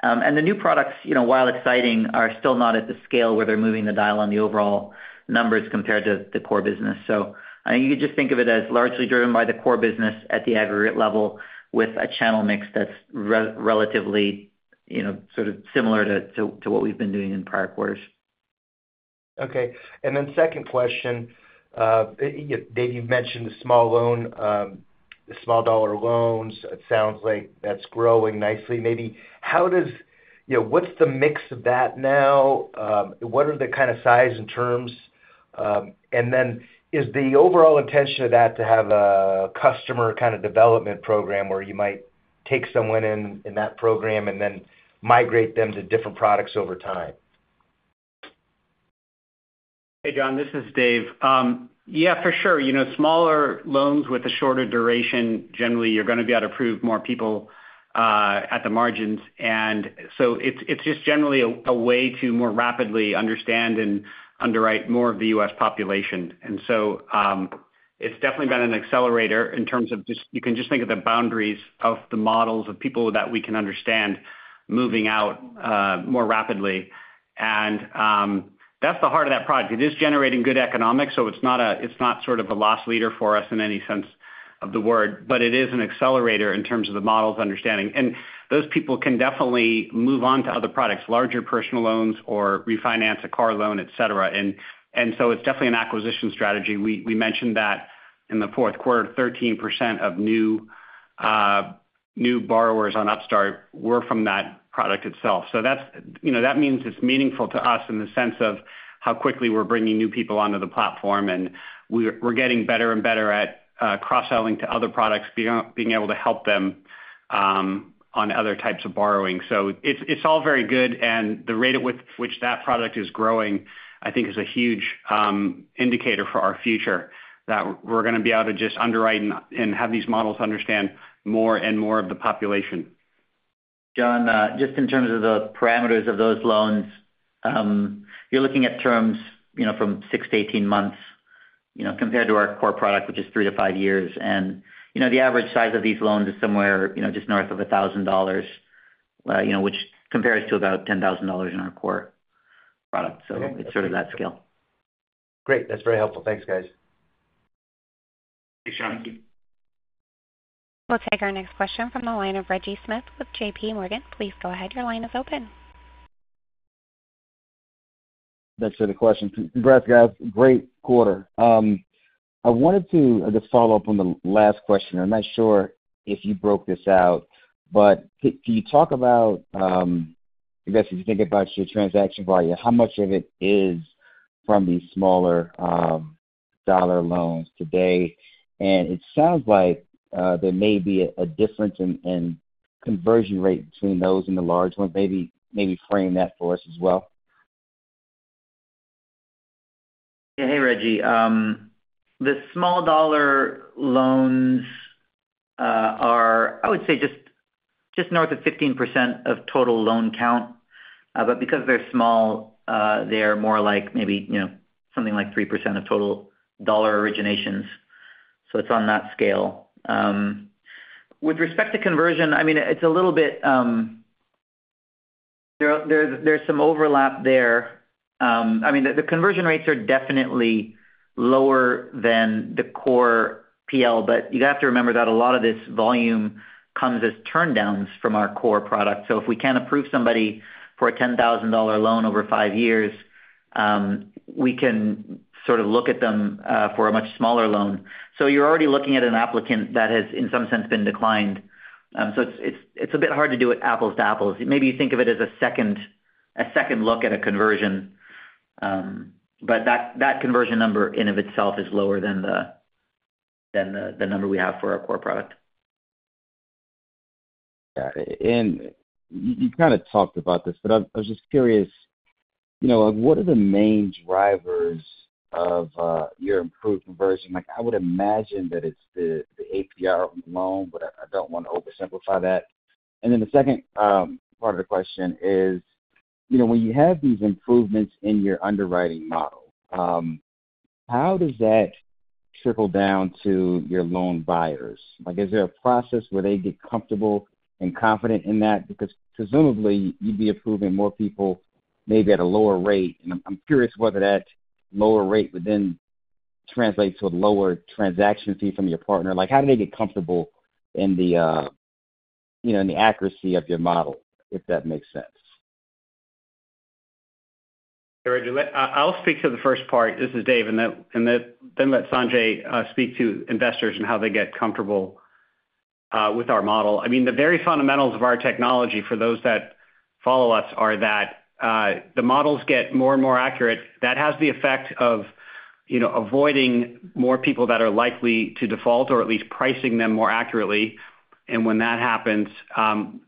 And the new products, while exciting, are still not at the scale where they're moving the dial on the overall numbers compared to the core business. So I think you could just think of it as largely driven by the core business at the aggregate level with a channel mix that's relatively sort of similar to what we've been doing in prior quarters. Okay. And then second question. Dave, you've mentioned the small dollar loans. It sounds like that's growing nicely. Maybe what's the mix of that now? What are the kind of size and terms? And then is the overall intention of that to have a customer kind of development program where you might take someone in that program and then migrate them to different products over time? Hey, John. This is Dave. Yeah, for sure. Smaller loans with a shorter duration, generally, you're going to be able to approve more people at the margins. And so it's just generally a way to more rapidly understand and underwrite more of the U.S. population. And so it's definitely been an accelerator in terms of just you can just think of the boundaries of the models of people that we can understand moving out more rapidly. And that's the heart of that product. It is generating good economics, so it's not sort of a loss leader for us in any sense of the word, but it is an accelerator in terms of the models understanding. And those people can definitely move on to other products, larger personal loans or refinance a car loan, etc. And so it's definitely an acquisition strategy. We mentioned that in the fourth quarter, 13% of new borrowers on Upstart were from that product itself. So that means it's meaningful to us in the sense of how quickly we're bringing new people onto the platform, and we're getting better and better at cross-selling to other products, being able to help them on other types of borrowing. So it's all very good. And the rate at which that product is growing, I think, is a huge indicator for our future that we're going to be able to just underwrite and have these models understand more and more of the population. John, just in terms of the parameters of those loans, you're looking at terms from 6 to 18 months compared to our core product, which is 3 to 5 years. And the average size of these loans is somewhere just north of $1,000, which compares to about $10,000 in our core product. So it's sort of that scale. Great. That's very helpful. Thanks, guys. Thank you, John. Thank you. We'll take our next question from the line of Reggie Smith with JPMorgan. Please go ahead. Your line is open. Thanks for the question. Congrats, guys. Great quarter. I wanted to just follow up on the last question. I'm not sure if you broke this out, but can you talk about, I guess, if you think about your transaction volume, how much of it is from these smaller dollar loans today? And it sounds like there may be a difference in conversion rate between those and the large ones. Maybe frame that for us as well. Yeah. Hey, Reggie. The small dollar loans are, I would say, just north of 15% of total loan count. But because they're small, they're more like maybe something like 3% of total dollar originations. So it's on that scale. With respect to conversion, I mean, it's a little bit. There's some overlap there. I mean, the conversion rates are definitely lower than the core PL, but you have to remember that a lot of this volume comes as turndowns from our core product. So if we can't approve somebody for a $10,000 loan over five years, we can sort of look at them for a much smaller loan. So you're already looking at an applicant that has, in some sense, been declined. So it's a bit hard to do it apples to apples. Maybe you think of it as a second look at a conversion, but that conversion number in and of itself is lower than the number we have for our core product. Got it. And you kind of talked about this, but I was just curious. What are the main drivers of your improved conversion? I would imagine that it's the APR loan, but I don't want to oversimplify that. And then the second part of the question is, when you have these improvements in your underwriting model, how does that trickle down to your loan buyers? Is there a process where they get comfortable and confident in that? Because presumably, you'd be approving more people maybe at a lower rate. And I'm curious whether that lower rate would then translate to a lower transaction fee from your partner. How do they get comfortable in the accuracy of your model, if that makes sense? Hey, Reggie, I'll speak to the first part. This is Dave. And then let Sanjay speak to investors and how they get comfortable with our model. I mean, the very fundamentals of our technology for those that follow us are that the models get more and more accurate. That has the effect of avoiding more people that are likely to default or at least pricing them more accurately. And when that happens,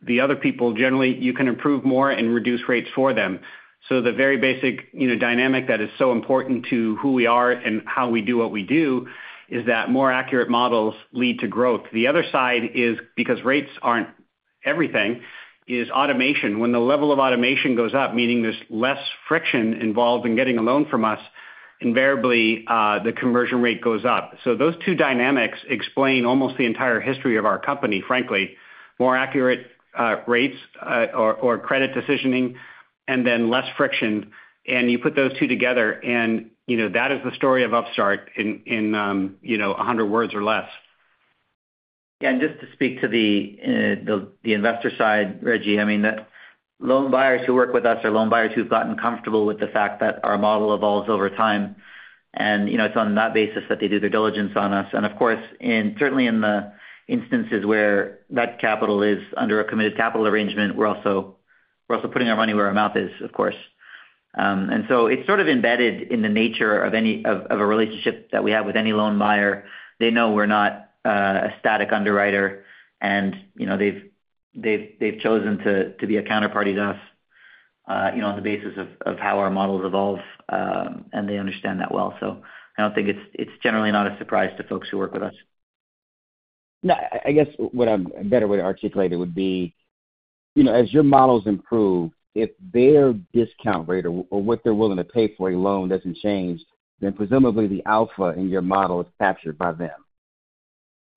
the other people, generally, you can improve more and reduce rates for them. So the very basic dynamic that is so important to who we are and how we do what we do is that more accurate models lead to growth. The other side is, because rates aren't everything, is automation. When the level of automation goes up, meaning there's less friction involved in getting a loan from us, invariably, the conversion rate goes up. So those two dynamics explain almost the entire history of our company, frankly. More accurate rates or credit decisioning and then less friction. And you put those two together, and that is the story of Upstart in 100 words or less. Yeah. And just to speak to the investor side, Reggie, I mean, loan buyers who work with us are loan buyers who've gotten comfortable with the fact that our model evolves over time. And it's on that basis that they do their diligence on us. And of course, certainly in the instances where that capital is under a committed capital arrangement, we're also putting our money where our mouth is, of course. And so it's sort of embedded in the nature of a relationship that we have with any loan buyer. They know we're not a static underwriter, and they've chosen to be a counterparty to us on the basis of how our models evolve, and they understand that well. So I don't think it's generally not a surprise to folks who work with us. I guess what I better would articulate it would be, as your models improve, if their discount rate or what they're willing to pay for a loan doesn't change, then presumably the alpha in your model is captured by them.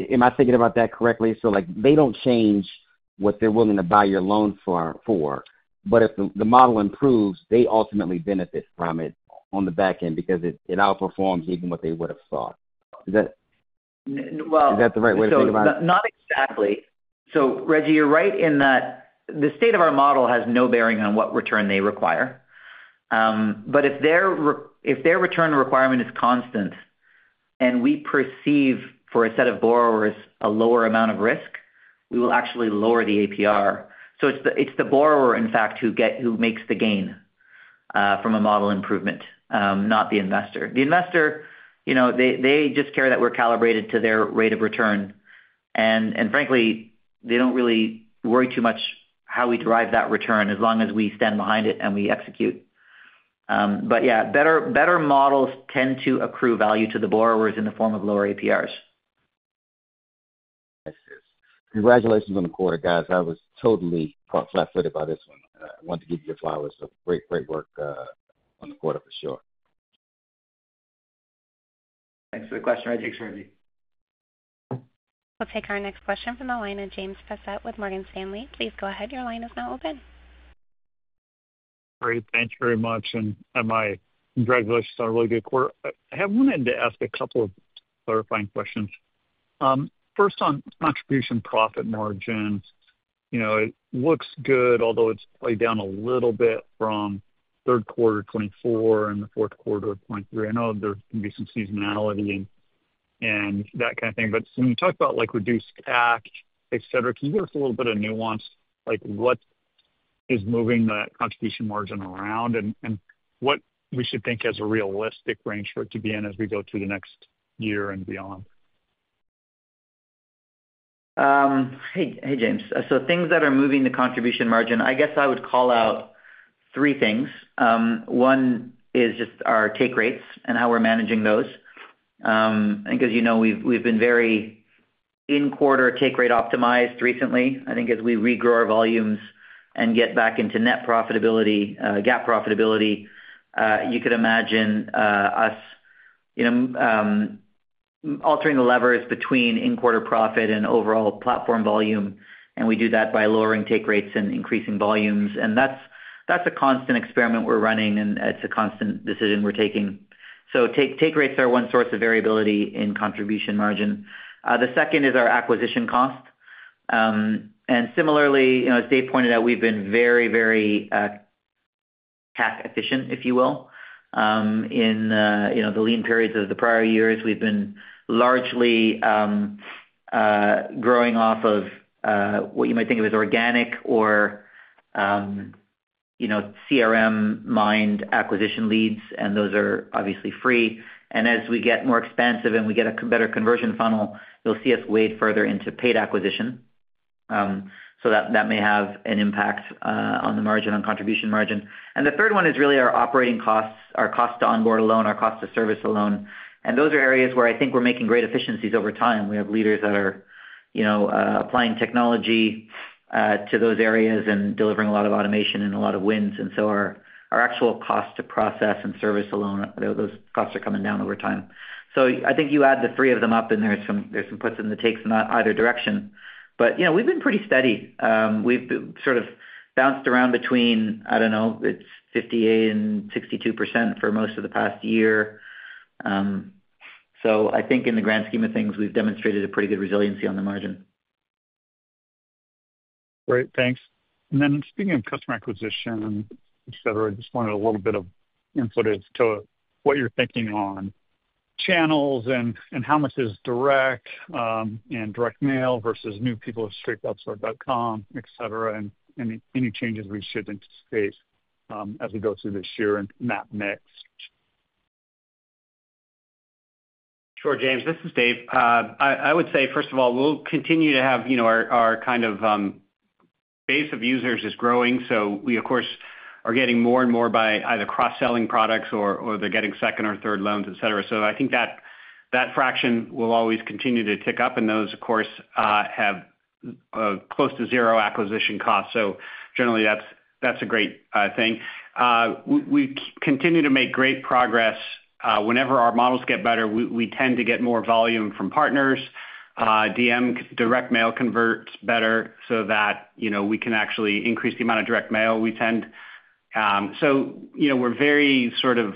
Am I thinking about that correctly? So they don't change what they're willing to buy your loan for. But if the model improves, they ultimately benefit from it on the back end because it outperforms even what they would have thought. Is that the right way to think about it? Not exactly. So Reggie, you're right in that the state of our model has no bearing on what return they require. But if their return requirement is constant and we perceive for a set of borrowers a lower amount of risk, we will actually lower the APR. So it's the borrower, in fact, who makes the gain from a model improvement, not the investor. The investor, they just care that we're calibrated to their rate of return. And frankly, they don't really worry too much how we derive that return as long as we stand behind it and we execute. But yeah, better models tend to accrue value to the borrowers in the form of lower APRs. Yes, yes. Congratulations on the quarter, guys. I was totally flat-footed by this one. I wanted to give you the flowers. So great work on the quarter for sure. Thanks for the question, Reggie. Thanks, Reggie. We'll take our next question from the line of James Faucette with Morgan Stanley. Please go ahead. Your line is now open. Great. Thank you very much. And my congratulations on a really good quarter. I wanted to ask a couple of clarifying questions. First, on contribution margins, it looks good, although it's probably down a little bit from third quarter 2024 and the fourth quarter 2023. I know there can be some seasonality and that kind of thing. But when you talk about reduced tax, etc., can you give us a little bit of nuance? What is moving that contribution margin around and what we should think as a realistic range for it to be in as we go through the next year and beyond? Hey, James. So things that are moving the contribution margin, I guess I would call out three things. One is just our take rates and how we're managing those. I think, as you know, we've been very in-quarter take rate optimized recently. I think as we regrow our volumes and get back into net profitability, GAAP profitability, you could imagine us altering the levers between in-quarter profit and overall platform volume. And we do that by lowering take rates and increasing volumes. And that's a constant experiment we're running, and it's a constant decision we're taking. So take rates are one source of variability in contribution margin. The second is our acquisition cost. And similarly, as Dave pointed out, we've been very, very tax efficient, if you will. In the lean periods of the prior years, we've been largely growing off of what you might think of as organic or CRM-mined acquisition leads, and those are obviously free. And as we get more expansive and we get a better conversion funnel, you'll see us wade further into paid acquisition. So that may have an impact on the contribution margin. And the third one is really our operating costs, our cost to onboard alone, our cost to service alone. And those are areas where I think we're making great efficiencies over time. We have leaders that are applying technology to those areas and delivering a lot of automation and a lot of wins. And so our actual cost to process and service alone, those costs are coming down over time. So I think you add the three of them up, and there's some puts and the takes in either direction. But we've been pretty steady. We've sort of bounced around between, I don't know, it's 58% and 62% for most of the past year. So I think in the grand scheme of things, we've demonstrated a pretty good resiliency on the margin. Great. Thanks. And then speaking of customer acquisition, etc., I just wanted a little bit of input as to what you're thinking on channels and how much is direct and direct mail versus new people at upstart.com, etc., and any changes we should anticipate as we go through this year and that next. Sure, James. This is Dave. I would say, first of all, we'll continue to have our kind of base of users is growing. So we, of course, are getting more and more by either cross-selling products or they're getting second or third loans, etc. So I think that fraction will always continue to tick up. And those, of course, have close to zero acquisition costs. So generally, that's a great thing. We continue to make great progress. Whenever our models get better, we tend to get more volume from partners. DM direct mail converts better so that we can actually increase the amount of direct mail we send. So we're very sort of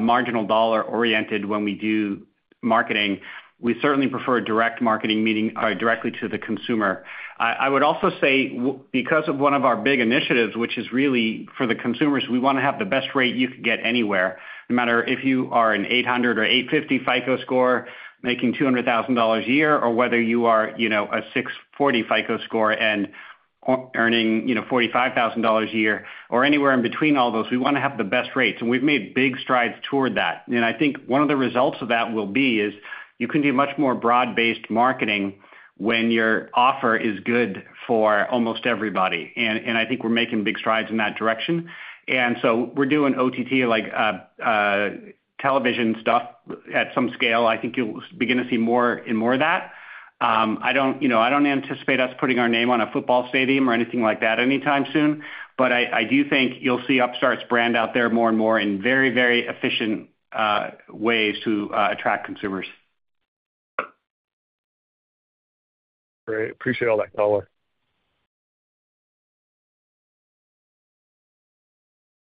marginal dollar oriented when we do marketing. We certainly prefer direct marketing, meaning directly to the consumer. I would also say, because of one of our big initiatives, which is really for the consumers, we want to have the best rate you could get anywhere, no matter if you are an 800 or 850 FICO score making $200,000 a year, or whether you are a 640 FICO score and earning $45,000 a year, or anywhere in between all those, we want to have the best rates. And we've made big strides toward that. And I think one of the results of that will be is you can do much more broad-based marketing when your offer is good for almost everybody. I think we're making big strides in that direction. And so we're doing OTT, like television stuff, at some scale. I think you'll begin to see more and more of that. I don't anticipate us putting our name on a football stadium or anything like that anytime soon. But I do think you'll see Upstart's brand out there more and more in very, very efficient ways to attract consumers. Great. Appreciate all that, Calaway.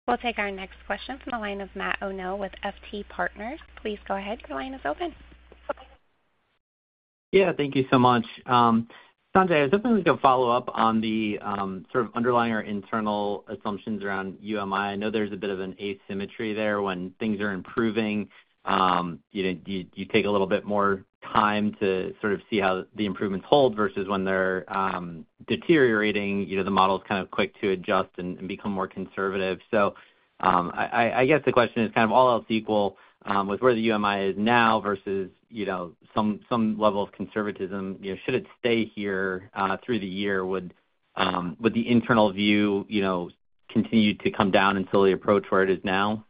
We'll take our next question from the line of Matt O'Neill with FT Partners. Please go ahead. The line is open. Yeah. Thank you so much. Sanjay, I was hoping we could follow up on the sort of underlying or internal assumptions around UMI. I know there's a bit of an asymmetry there when things are improving. You take a little bit more time to sort of see how the improvements hold versus when they're deteriorating. The model is kind of quick to adjust and become more conservative. So I guess the question is kind of all else equal with where the UMI is now versus some level of conservatism. Should it stay here through the year, would the internal view continue to come down until we approach where it is now?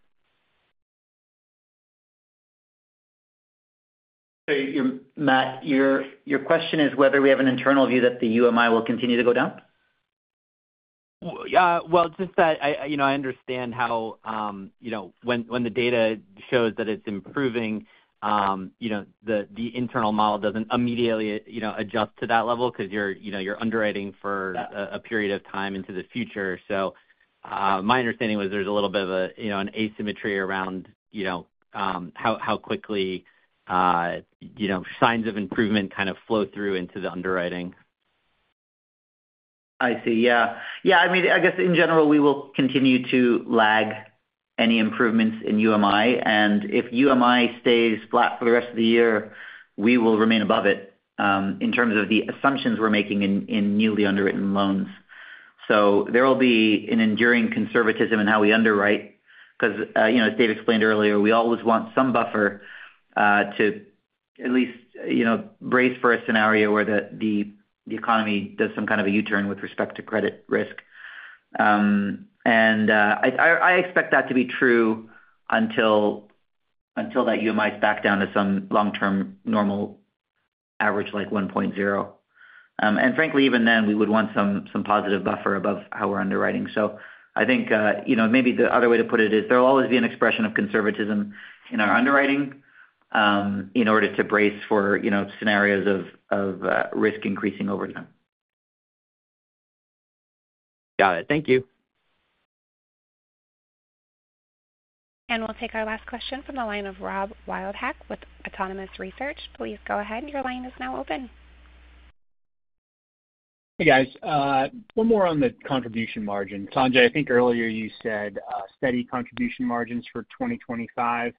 So Matt, your question is whether we have an internal view that the UMI will continue to go down? Well, just so that I understand how when the data shows that it's improving, the internal model doesn't immediately adjust to that level because you're underwriting for a period of time into the future. So my understanding was there's a little bit of an asymmetry around how quickly signs of improvement kind of flow through into the underwriting. I see. Yeah. Yeah. I mean, I guess in general, we will continue to lag any improvements in UMI. And if UMI stays flat for the rest of the year, we will remain above it in terms of the assumptions we're making in newly underwritten loans. So there will be an enduring conservatism in how we underwrite because, as Dave explained earlier, we always want some buffer to at least brace for a scenario where the economy does some kind of a U-turn with respect to credit risk. And I expect that to be true until that UMI is back down to some long-term normal average like 1.0. And frankly, even then, we would want some positive buffer above how we're underwriting. So I think maybe the other way to put it is there'll always be an expression of conservatism in our underwriting in order to brace for scenarios of risk increasing over time. Got it. Thank you. And we'll take our last question from the line of Rob Wildhack with Autonomous Research. Please go ahead. Your line is now open. Hey, guys. One more on the contribution margin. Sanjay, I think earlier you said steady contribution margins for 2025.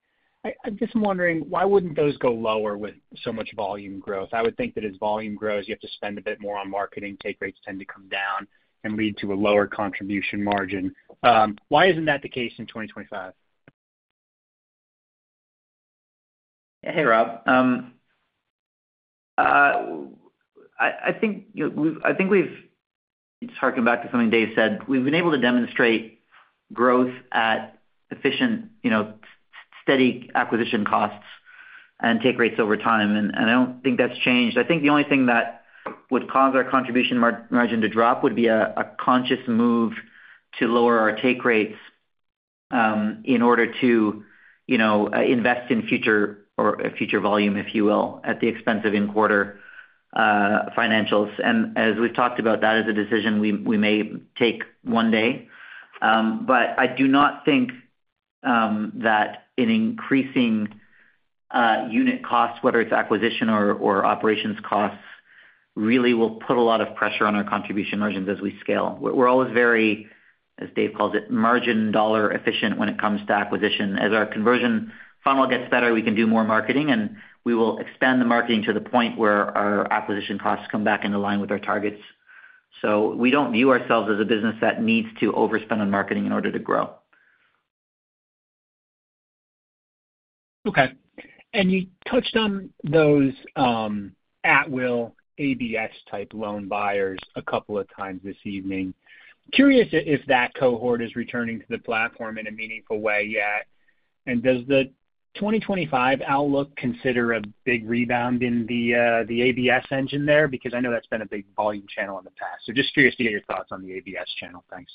I'm just wondering, why wouldn't those go lower with so much volume growth? I would think that as volume grows, you have to spend a bit more on marketing. Take rates tend to come down and lead to a lower contribution margin. Why isn't that the case in 2025? Hey, Rob. I think we've, talking back to something Dave said, we've been able to demonstrate growth at efficient, steady acquisition costs and take rates over time. And I don't think that's changed. I think the only thing that would cause our contribution margin to drop would be a conscious move to lower our take rates in order to invest in future or future volume, if you will, at the expense of in-quarter financials. And as we've talked about, that is a decision we may take one day. But I do not think that an increasing unit cost, whether it's acquisition or operations costs, really will put a lot of pressure on our contribution margins as we scale. We're always very, as Dave calls it, margin dollar efficient when it comes to acquisition. As our conversion funnel gets better, we can do more marketing, and we will expand the marketing to the point where our acquisition costs come back into line with our targets. So we don't view ourselves as a business that needs to overspend on marketing in order to grow. Okay. And you touched on those whole loan ABS-type loan buyers a couple of times this evening. Curious if that cohort is returning to the platform in a meaningful way yet. And does the 2025 outlook consider a big rebound in the ABS engine there? Because I know that's been a big volume channel in the past. So just curious to get your thoughts on the ABS channel. Thanks.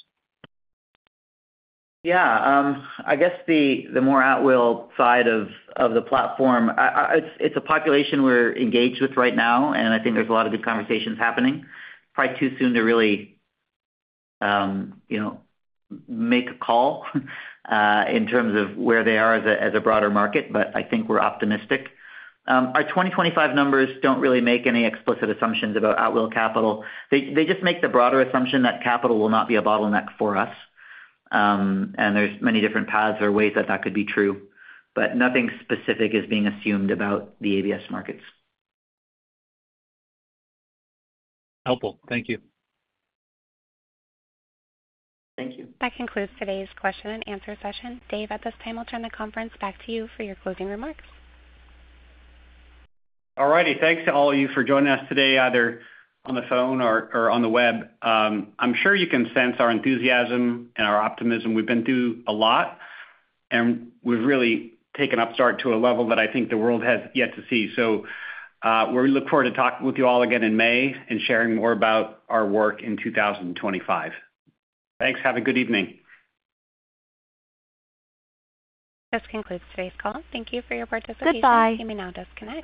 Yeah. I guess the whole loan side of the platform, it's a population we're engaged with right now, and I think there's a lot of good conversations happening. Probably too soon to really make a call in terms of where they are as a broader market, but I think we're optimistic. Our 2025 numbers don't really make any explicit assumptions about Atwill Capital. They just make the broader assumption that capital will not be a bottleneck for us, and there's many different paths or ways that that could be true, but nothing specific is being assumed about the ABS markets. Helpful. Thank you. Thank you. That concludes today's question and answer session. Dave, at this time, we'll turn the conference back to you for your closing remarks. All righty. Thanks to all of you for joining us today, either on the phone or on the web. I'm sure you can sense our enthusiasm and our optimism. We've been through a lot, and we've really taken Upstart to a level that I think the world has yet to see. So we look forward to talking with you all again in May and sharing more about our work in 2025. Thanks. Have a good evening. This concludes today's call. Thank you for your participation. Goodbye. You may now disconnect.